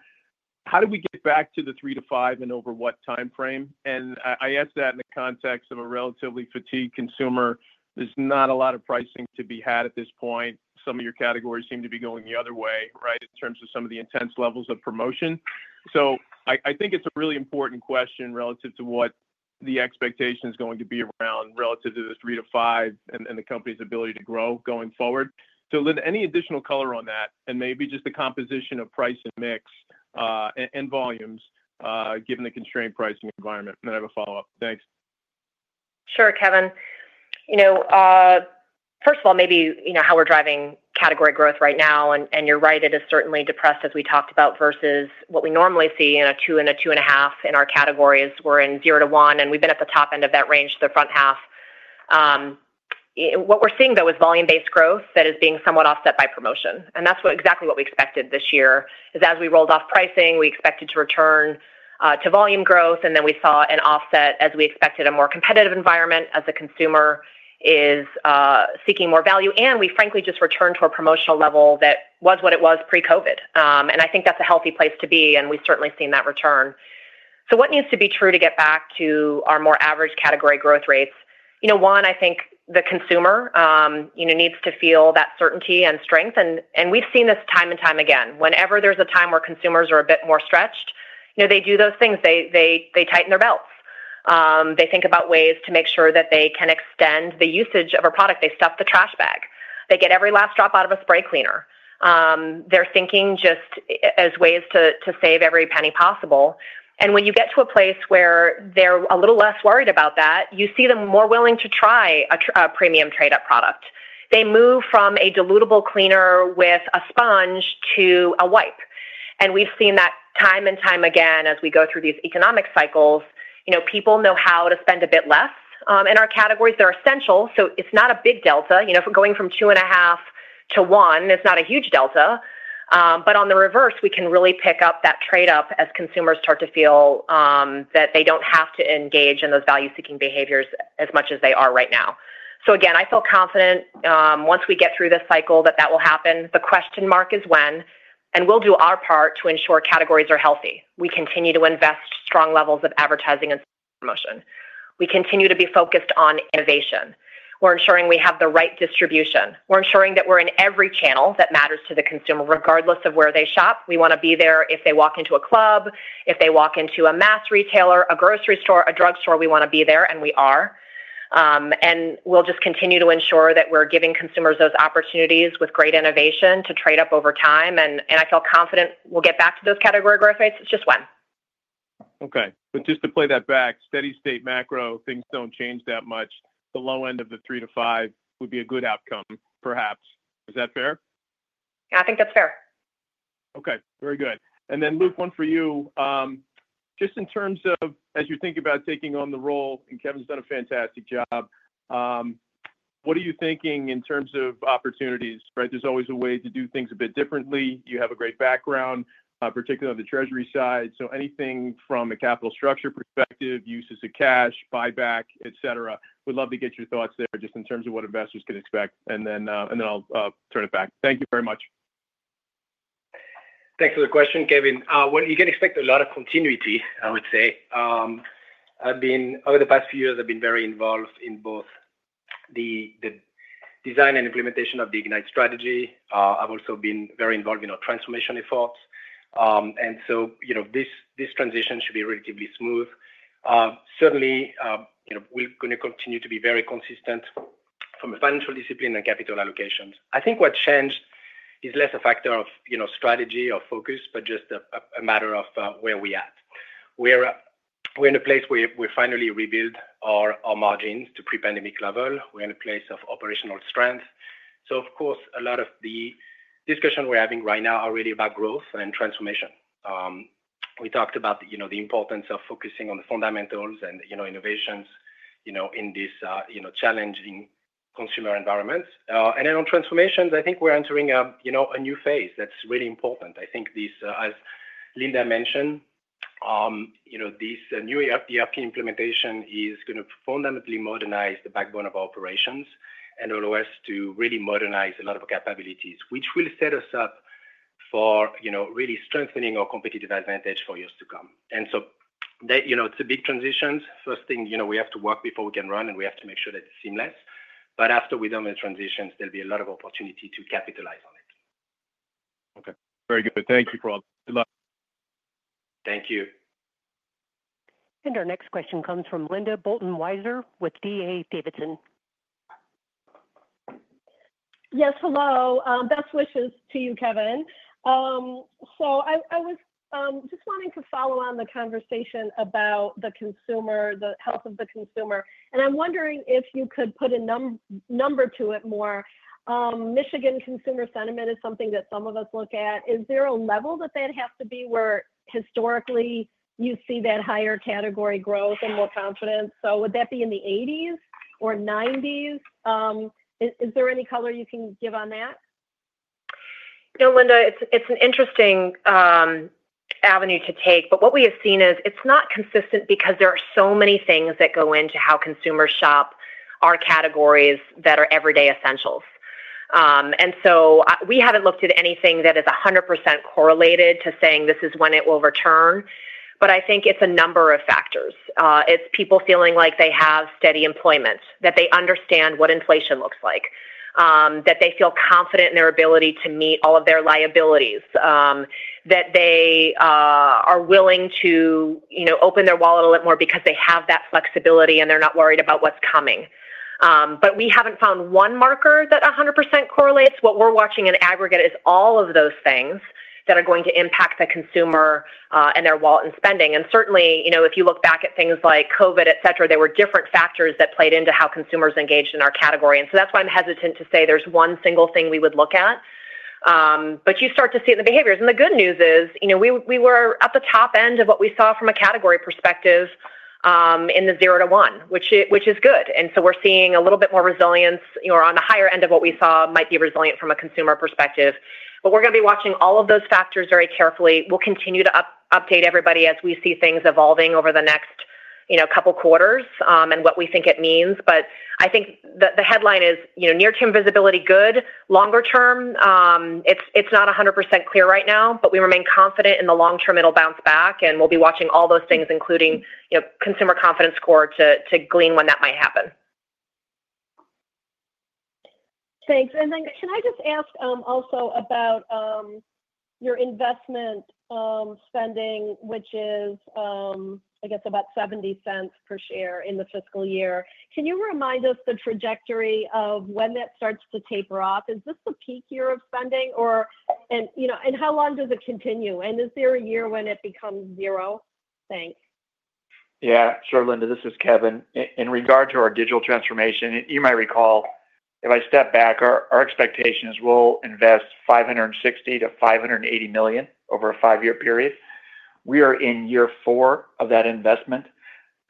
How do we get back to the three to five and over what time frame? And I asked that in the context of a relatively fatigued consumer. There's not a lot of pricing to be had at this point. Some of your categories seem to be going the other way, right, in terms of some of the intense levels of promotion. So I think it's a really important question relative to what the expectation is going to be around relative to the three to five and the company's ability to grow going forward. So Lynn, any additional color on that and maybe just the composition of price and mix and volumes given the constrained pricing environment? And then I have a follow up. Thanks. Sure. Kevin, you know, first of all, maybe you know how we're driving category growth right now, and you're right. It is certainly depressed, as we talked about, versus what we normally see in 2%-2.5% in our categories. We're in 0%-1%, and we've been at the top end of that range, the front half. What we're seeing though is volume-based growth that is being somewhat offset by promotion. And that's exactly what we expected this year, as we rolled off pricing. We expected to return to volume growth. And then we saw an offset, as we expected, a more competitive environment as the consumer is seeking more value, and we frankly just returned to a promotional level. That was what it was pre-COVID. And I think that's a healthy place to be, and we've certainly seen that return. So what needs to be true to get back to our more average category growth rates? You know, one, I think the consumer, you know, needs to feel that certainty and strength. And we've seen this time and time again. Whenever there's a time where consumers are a bit more stretched, you know, they do those things, they tighten their belts, they think about ways to make sure that they can extend the usage of a product. They stuff the trash bag, they get every last drop out of a spray cleaner. They're thinking just as ways to save every penny possible. And when you get to a place where they're a little less worried about that, you see them more willing to try a premium trade up product. They move from a dilutable cleaner with a sponge to a wipe. And we've seen that time and time again as we go through these economic cycles. People know how to spend a bit less in our categories. They're essential. So it's not a big delta, you know, going from two and a half to one, it's not a huge delta. But on the reverse we can really pick up that trade up as consumers start to feel that they don't have to engage in those value seeking behaviors as much as they are right now. So again, I feel confident once we get through this cycle that that will happen. The question mark is when. And we'll do our part to ensure categories are healthy. We continue to invest strong levels of advertising and we continue to be focused on innovation. We're ensuring we have the right distribution. We're ensuring that we're in every channel that matters to the consumer. Regardless of where they shop. We want to be there. If they walk into a club, if they walk into a mass retailer, a grocery store, a drugstore, we want to be there. And we are. And we'll just continue to ensure that we're giving consumers those opportunities with great innovation to trade up over time. And I feel confident we'll get back to those category growth rates. It's just one. Okay, but just to play that back, steady state macro things don't change that much. The low end of the three to five would be a good outcome, perhaps. Is that fair? I think that's fair. Okay, very good. And then, Luc, one for you. Just in terms of as you think about taking on the role and Kevin's done a fantastic job. What are you thinking in terms of opportunities? Right. There's always a way to do things a bit differently. You have a great background, particularly on the treasury side. So anything from a capital structure perspective, uses of cash, buyback, et cetera. We'd love to get your thoughts there just in terms of what investors can expect and then I'll turn it back. Thank you very much. Thanks for the question, Kevin. Well, you can expect a lot of continuity, I would say, over the past few years. I've been very involved in both the design and implementation of the Ignite strategy. I've also been very involved in our transformation efforts. And so, you know, this transition should be relatively smooth. Certainly we're going to continue to be very consistent from a financial discipline and capital allocations. I think what changed is less a factor of strategy or focus, but just a matter of where we at. We're in a place where we finally rebuild our margins to pre-pandemic level. We're in a place of operational strength. So of course, a lot of the discussion we're having right now are really about growth and transformation. We talked about the importance of focusing on the fundamentals and innovations in this challenging consumer environment and then on transformations. I think we're entering a new phase that's really important. I think, as Linda mentioned, this new ERP implementation is going to fundamentally modernize the backbone of our operations and allow us to really modernize a lot of capabilities which will set us up for, you know, really strengthening our competitive advantage for years to come. And so that, you know, it's a big transition. First thing, you know, we have to work before we can run and we have to make sure that it's seamless. But after we done the transitions, there'll be a lot of opportunity to capitalize on it. Okay, very good. Thank you. Good luck. Thank you. And our next question comes from Linda Bolton Weiser with D.A. Davidson. Yes, hello. Best wishes to you, Kevin. So I was just wanting to follow on the conversation about the consumer, the health of the consumer, and I'm wondering if you could put a number to it more. Michigan Consumer Sentiment is something that some of us look at. Is there a level that that has to be where historically you see that higher category growth and more confidence? So would that be in the 80s or 90s? Is there any color you can give on that? No, Linda. It's an interesting avenue to take, but what we have seen is it's not consistent because there are so many things that go into how consumers shop, our categories that are everyday essentials. And so we haven't looked at anything that is 100% correlated to saying this is when it will return. But I think it's a number of factors. It's people feeling like they have steady employment, that they understand what inflation looks like, that they feel confident in their ability to meet all of their liabilities, that they are willing to open their wallet a little more because they have that flexibility and they're not worried about what's coming. But we haven't found one marker that 100% correlates. What we're watching in aggregate is all of those things that are going to impact the consumer and their wallet and spending. And certainly if you look back at things like COVID, et cetera, there were different factors that played into how consumers engaged in our category. And so that's why I'm hesitant to say there's one single thing we would look at. But you start to see it in the behaviors. And the good news is we were at the top end of what we saw from a category perspective in the zero to one, which is good. And so we're seeing a little bit more resilience on the higher end of what we saw might be resilient from a consumer perspective. But we're going to be watching all of those factors very carefully. We'll continue to update everybody as we see things evolving over the next couple quarters and what we think it means. But I think the headline is near term visibility good, longer term, it's not 100% clear right now, but we remain confident in the long term it'll bounce back and we'll be watching all those things, including consumer confidence score, to glean when that might happen. Thanks. And then can I just ask also about your investment spending, which is I guess about $0.70 per share in the fiscal year? Can you remind us the trajectory of when that starts to taper off? Is this the peak year of spending or? And you know, and how long does it continue? And is there a year when it becomes zero? Thanks. Yeah, sure. Linda, this is Kevin. In regard to our digital transformation, you might recall, if I step back, our expectation is we'll invest $560 million-$580 million over a five-year period. We are in year four of that investment.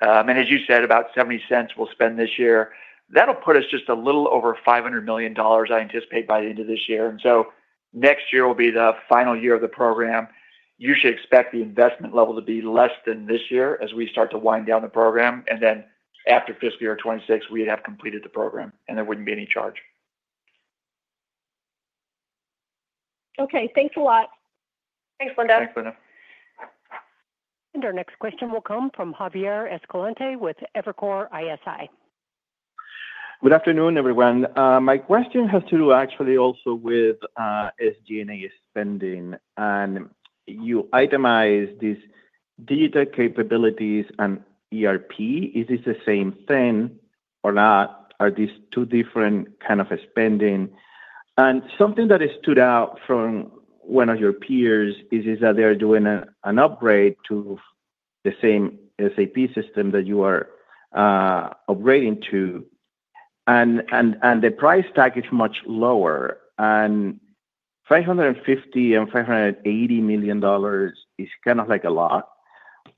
And as you said, about $0.70 we'll spend this year. That'll put us just a little over $500 million I anticipate by the end of this year. And so next year will be the final year of the program. You should expect the investment level to be less than this year as we start to wind down the program. And then after fiscal year 2026, we have completed the program and there wouldn't be any charge. Okay, thanks a lot. Thanks Linda. Thanks, Linda. Our next question will come from Javier Escalante with Evercore ISI. Good afternoon everyone. My question has to do actually also with SG&A spending and you itemize these digital capabilities and ERP, is this the same thing or not? Are these two different kind of spending? And something that stood out from one of your peers is that they're doing an upgrade to the same SAP system that you are upgrading to and the price tag is much lower and $550 and $580 million is kind of like a lot.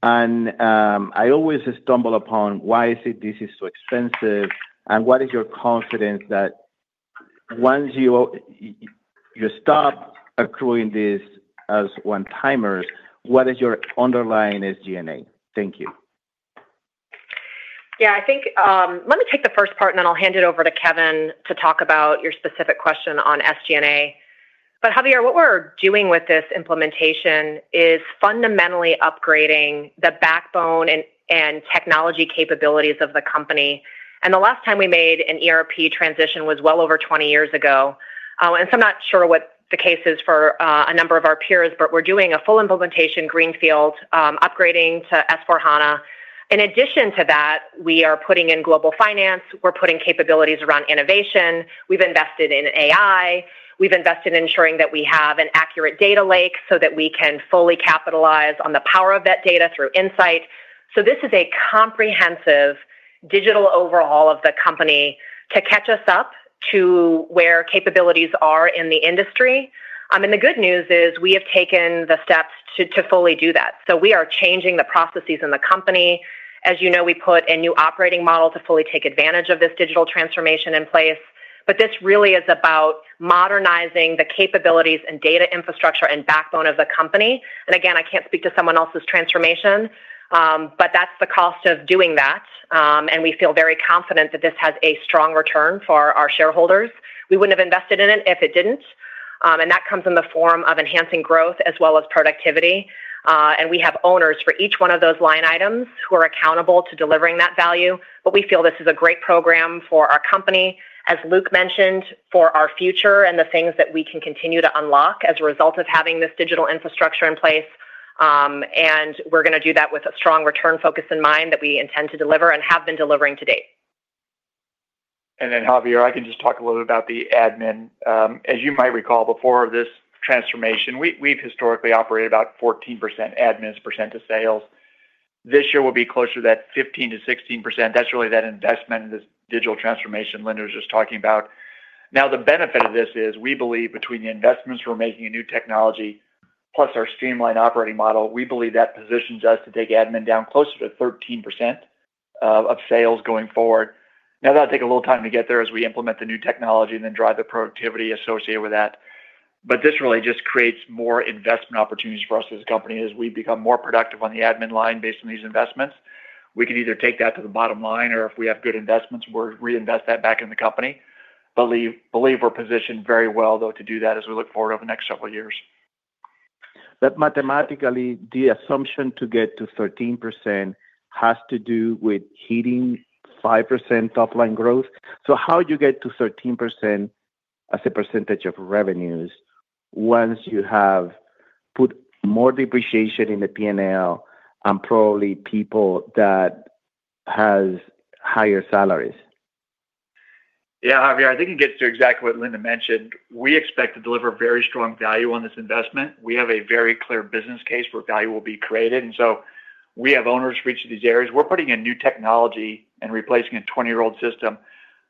And I always stumble upon why is it this is so expensive and what is your confidence that once you stop accruing this as one-timers, what is your underlying SG&A? Thank you. Yeah, I think let me take the first part and then I'll hand it over to Kevin to talk about your specific question on SG&A. But Javier, what we're doing with this implementation is fundamentally upgrading the backbone and technology capabilities of the company, and the last time we made an ERP transition was well over 20 years ago, and so I'm not sure what the case is for a number of our peers, but we're doing a full implementation greenfield upgrading to S/4HANA. In addition to that, we are putting in global finance, we're putting capabilities around innovation. We've invested in AI, we've invested in ensuring that we have an accurate data lake so that we can fully capitalize on the power of that data through insight. So this is a comprehensive digital overhaul of the company to catch us up to where capabilities are in the industry. And the good news is we have taken the steps to fully do that. So we are changing the processes in the company. As you know, we put a new operating model to fully take advantage of this digital transformation in place. But this really is about modernizing the capabilities and data infrastructure and backbone of the company. And again, I can't speak to someone else's transformation, but that's the cost of doing that. And we feel very confident that this has a strong return for our shareholders. We wouldn't have invested in it if it didn't. And that comes in the form of enhancing growth as well as productivity. And we have owners for each one of those line items who are accountable to delivering that value. But we feel this is a great program for our company, as Luc mentioned, for our future and the things that we can continue to unlock as a result of having this digital infrastructure in place. And we're going to do that with a strong return focus in mind that we intend to deliver and have been delivering to date. Then Javier, I can just talk a little bit about the admin. As you might recall, before this transformation we've historically operated about 14% admin as percent of sales. This year will be closer to that 15%-16%. That's really that investment in this digital transformation Linda was just talking about. Now the benefit of this is we believe between the investments we're making in new technology plus our streamlined operating model, we believe that positions us to take admin down closer to 13% of sales going forward. Now that'll take a little time to get there as we implement the new technology and then drive the productivity associated with that. But this really just creates more investment opportunities for us as a company as we become more productive on the admin line based on these investments we can either take that to the bottom line or if we have good investments, we're reinvest that back in the company. Believe, believe we're positioned very well though to do that as we look forward over the next several years. But mathematically the assumption to get to 13% has to do with hitting 5% top line growth. So how you get to 13% as a percentage of revenues once you have put more depreciation in the P&L and probably people that has higher salaries. Yeah Javier, I think it gets to exactly what Linda mentioned. We expect to deliver very strong value on this investment. We have a very clear business case where value will be created, and so we have owners for each of these areas. We're putting in new technology and replacing a 20-year-old system.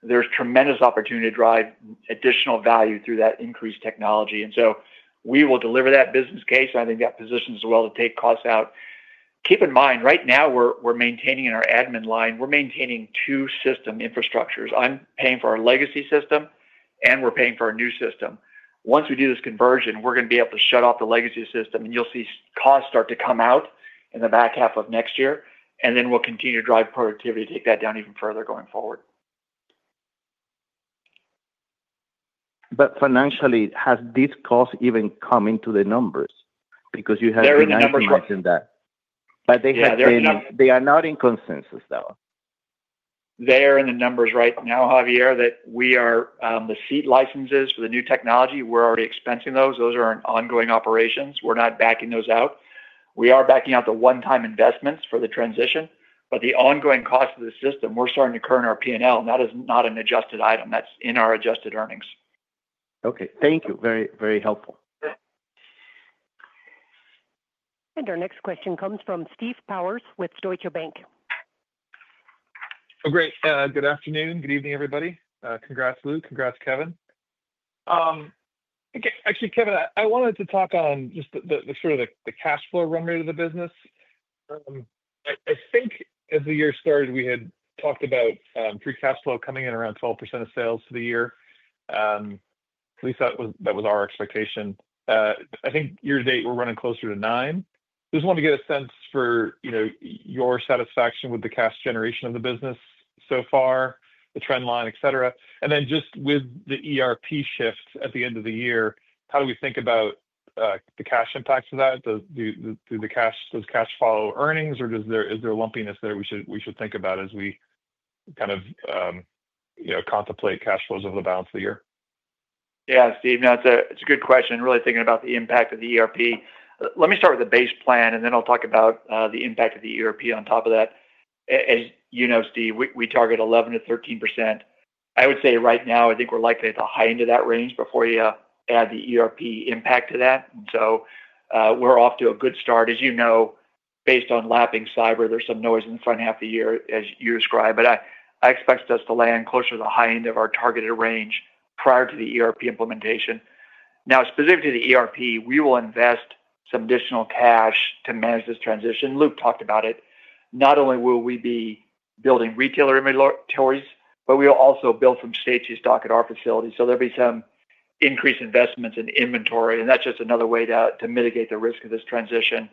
There's tremendous opportunity to drive additional value through that increased technology, and so we will deliver that business case. I think that positions well to take costs out. Keep in mind, right now we're maintaining in our admin line. We're maintaining two system infrastructures. I'm paying for our legacy system, and we're paying for a new system. Once we do this conversion, we're going to be able to shut off the legacy system, and you'll see costs start to come out in the back half of next year, and then we'll continue to drive productivity, take that down even further going forward. But financially, has this cost even come into the numbers? Because you have. But they have. They are not in consensus, though They are in the numbers right now, Javier, that the seat licenses for the new technology. We're already expensing those. Those are ongoing operations. We're not backing those out. We are backing out the one-time investments for the transition, but the ongoing cost of the system. We're starting to incur on our P&L. That is not an adjusted item. That's in our adjusted earnings. Okay, thank you very, very helpful. Our next question comes from Steve Powers with Deutsche Bank. Great. Good afternoon. Good evening everybody. Congrats, Luc. Congrats, Kevin. Actually, Kevin, I wanted to talk on just the sort of cash flow run rate of the business. I think as the year started we had talked about free cash flow coming in around 12% of sales for the year. At least that was our expectation. I think year to date we're running closer to 9%. Just want to get a sense for, you know, your satisfaction with the cash generation of the business so far, the trend line, etc. And then just with the ERP shift at the end of the year, how do we think about the cash impacts of that? Does cash follow earnings or is there lumpiness there? We should think about as we kind of contemplate cash flows over the balance of the year. Yeah, Steve, now it's a good question, really thinking about the impact of the ERP. Let me start with the base plan and then I'll talk about the impact of the ERP. On top of that, as you know, Steve, we target 11%-13%. I would say right now I think we're likely at the high end of that range before you add the ERP impact to that. So we're off to a good start. As you know, based on lapping cyber, there's some noise in the front half of the year as you described. But I expect us to land closer to the high end of our targeted range prior to the ERP implementation. Now, specifically the ERP, we will invest some additional cash to manage this transition. Luc talked about it. Not only will we be building retailer inventories, but we'll also build some safety stock at our facility. So there'll be some increased investments in inventory. And that's just another way to mitigate the risk of this transition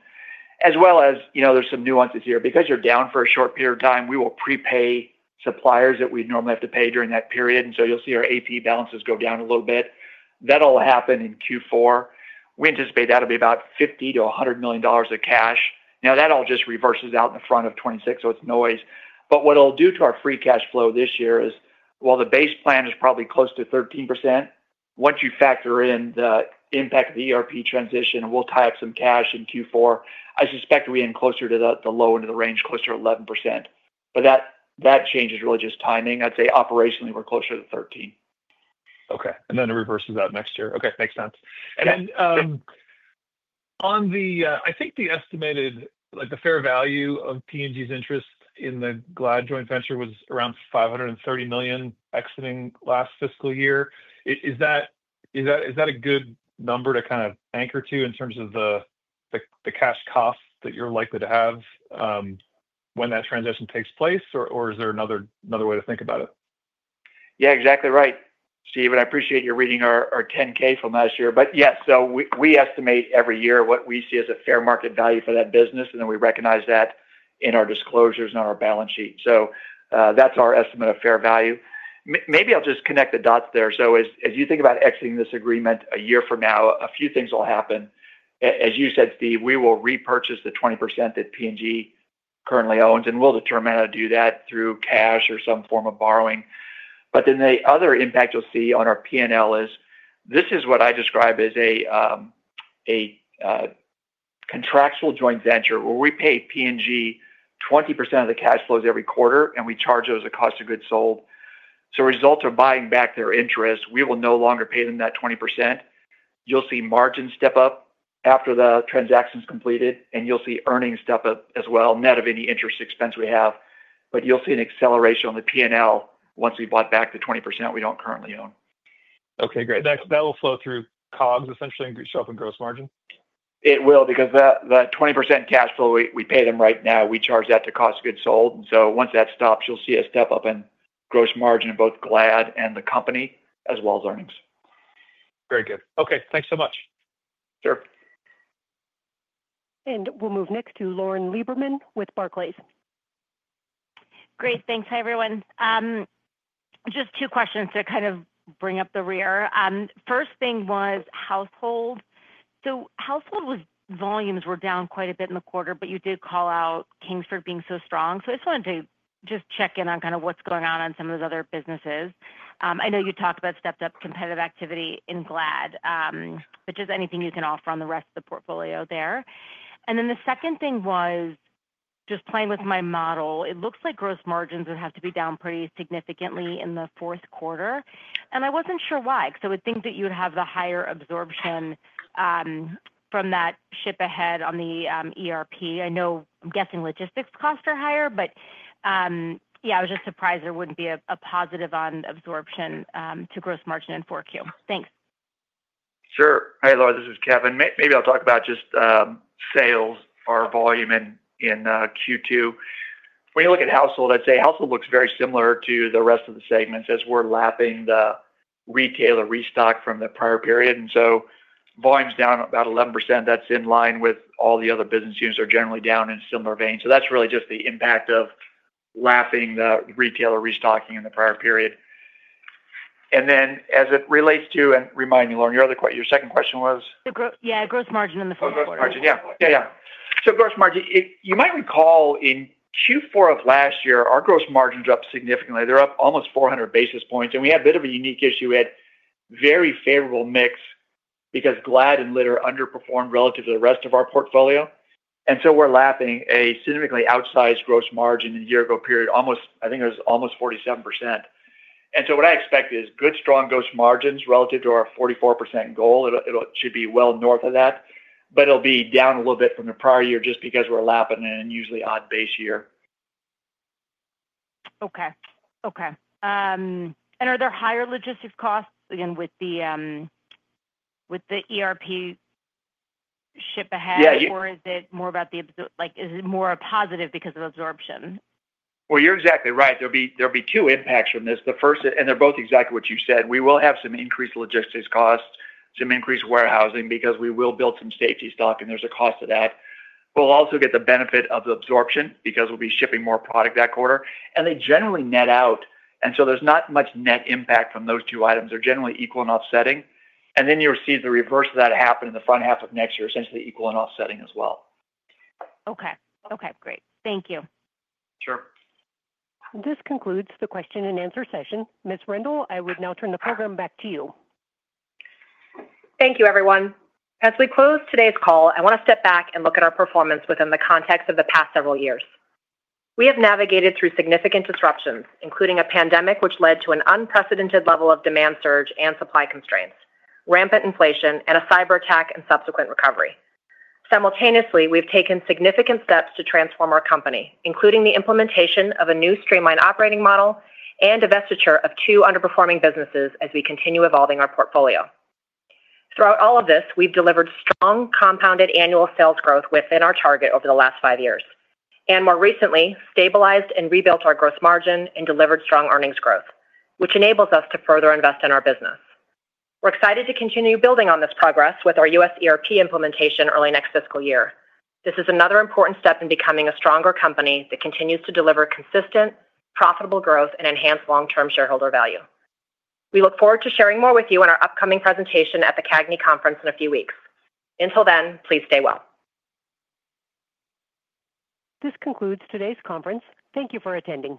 as well. As you know, there's some nuances here because you're down for a short period of time. We will prepay suppliers that we normally have to pay during that period. And so you'll see our AP balances go down a little bit. That'll happen in Q4. We anticipate that'll be about $50 million-$100 million of cash. Now that all just reverses out in the front of 2026. So it's noise, but what it'll do to our free cash flow this year is while the base plan is probably close to 13%. Once you factor in the impact of the ERP transition and we'll tie up some cash in Q4, I suspect we end closer to the low end of the range, closer to 11%. But that change is really just timing. I'd say operationally we're closer to 13%. Okay. And then it reverses that next year. Okay, makes sense. And then, I think the estimated, like the fair value of P&G's interest in the Glad joint venture was around $530 million exiting last fiscal year. Is that a good number to kind of anchor to in terms of the cash costs that you're likely to have when that transition takes place? Or is there another way to think about it? Yeah, exactly right, Steve, and I appreciate you reading our 10-K from last year, but yes. We estimate every year what we see as a fair market value for that business, and then we recognize that in our disclosures on our balance sheet. So that's our estimate of fair value. Maybe I'll just connect the dots there. So, as you think about exiting this agreement a year from now, a few things will happen, as you said, Steve. We will repurchase the 20% that P&G currently owns, and we'll determine how to do that through cash or some form of borrowing. But then the other impact you'll see on our P&L is this is what I describe as a contractual joint venture where we pay P&G 20% of the cash flows every quarter. And we charge those as cost of goods sold. So, as a result of buying back their interest, we will no longer pay them that 20%. You'll see margins step up after the transaction is completed, and you'll see earnings step up as well, net of any interest expense we have. But you'll see an acceleration on the P&L once we bought back the 20% we don't currently own. Okay, great. That will flow through COGS, essentially show up in gross margin. It will, because the 20% cash flow we pay them right now, we charge that to cost of goods sold. And so once that stops, you'll see a step up in gross margin, both Glad and the company, as well as earnings. Very good. Okay, thanks so much. Sure. We'll move next to Lauren Lieberman with Barclays. Great, thanks. Hi, everyone. Just two questions to kind of bring up the rear. First thing was Household. So Household volumes were down quite a bit in the quarter. But you did call out Kingsford being so strong. So I just wanted to just check in on kind of what's going on on some of those other businesses. I know you talked about stepped up competitive activity in Glad, but just anything you can offer on the rest of the portfolio there. And then the second thing was just playing with my model. It looks like gross margins would have to be down pretty significantly in the fourth quarter. And I wasn't sure why because I would think that you would have the higher absorption from that ship ahead on the ERP. I know, I'm guessing logistics costs are higher, but yeah, I was just surprised there wouldn't be a positive on absorption to gross margin in 4Q. Thanks. Sure. Hey, Lauren, this is Kevin. Maybe I'll talk about just sales. Our volume in Q2, when you look at Household, I'd say Household looks very similar to the rest of the segments as we're lapping the retailer restock from the prior period. And so volumes down about 11%. That's in line with all the other business units are generally down in similar vein. So that's really just the impact of lapping the retailer restocking in the prior period. And then as it relates to. And remind me, Lauren, your second question was. Yeah, gross margin in the fourth quarter. Yeah, yeah, yeah. So gross margin, you might recall in Q4 of last year, our gross margins are up significantly. They're up almost 400 basis points. And we had a bit of a unique issue. We had very favorable mix because Glad and litter underperformed relative to the rest of our portfolio. And so we're lapping a significantly outsized gross margin in year ago period. Almost, I think it was almost 47%. And so what I expect is good strong gross margins relative to our 44% goal. It should be well north of that, but it'll be down a little bit from the prior year just because we're lapping an unusually odd base year. Okay. Okay. And are there higher logistics costs again with the ERP ship ahead or is it more about the like, is it more positive because of absorption? You're exactly right. There'll be two impacts from this. The first, and they're both exactly what you said. We will have some increased logistics costs, some increased warehousing because we will build some safety stock and there's a cost to that. We'll also get the benefit of the absorption because we'll be shipping more product that quarter and they generally net out and so there's not much net impact from those two items. They're generally equal and offsetting, and then you receive the reverse of that happen in the front half of next year. Essentially equal and offsetting as well. Okay. Okay. Great. Thank you. Sure. This concludes the question and answer session. Ms. Rendle, I would now turn the program back to you. Thank you, everyone. As we close today's call, I want to step back and look at our performance within the context of the past several years. Years we have navigated through significant disruptions, including a pandemic which led to an unprecedented level of demand surge and supply constraints, rampant inflation and a cyber attack and subsequent recovery. Simultaneously, we've taken significant steps to transform our company, including the implementation of a new streamlined operating model and divestiture of two underperforming businesses as we continue evolving our portfolio. Throughout all of this, we've delivered strong compounded annual sales growth within our target over the last five years and more. Recently stabilized and rebuilt our gross margin and delivered strong earnings growth which enables us to further invest in our business. We're excited to continue building on this progress with our US ERP implementation early next fiscal year. This is another important step in becoming a stronger company that continues to deliver consistent, profitable growth and enhance long term shareholder value. We look forward to sharing more with you in our upcoming presentation at the CAGNY conference in a few weeks. Until then, please stay well. This concludes today's conference. Thank you for attending.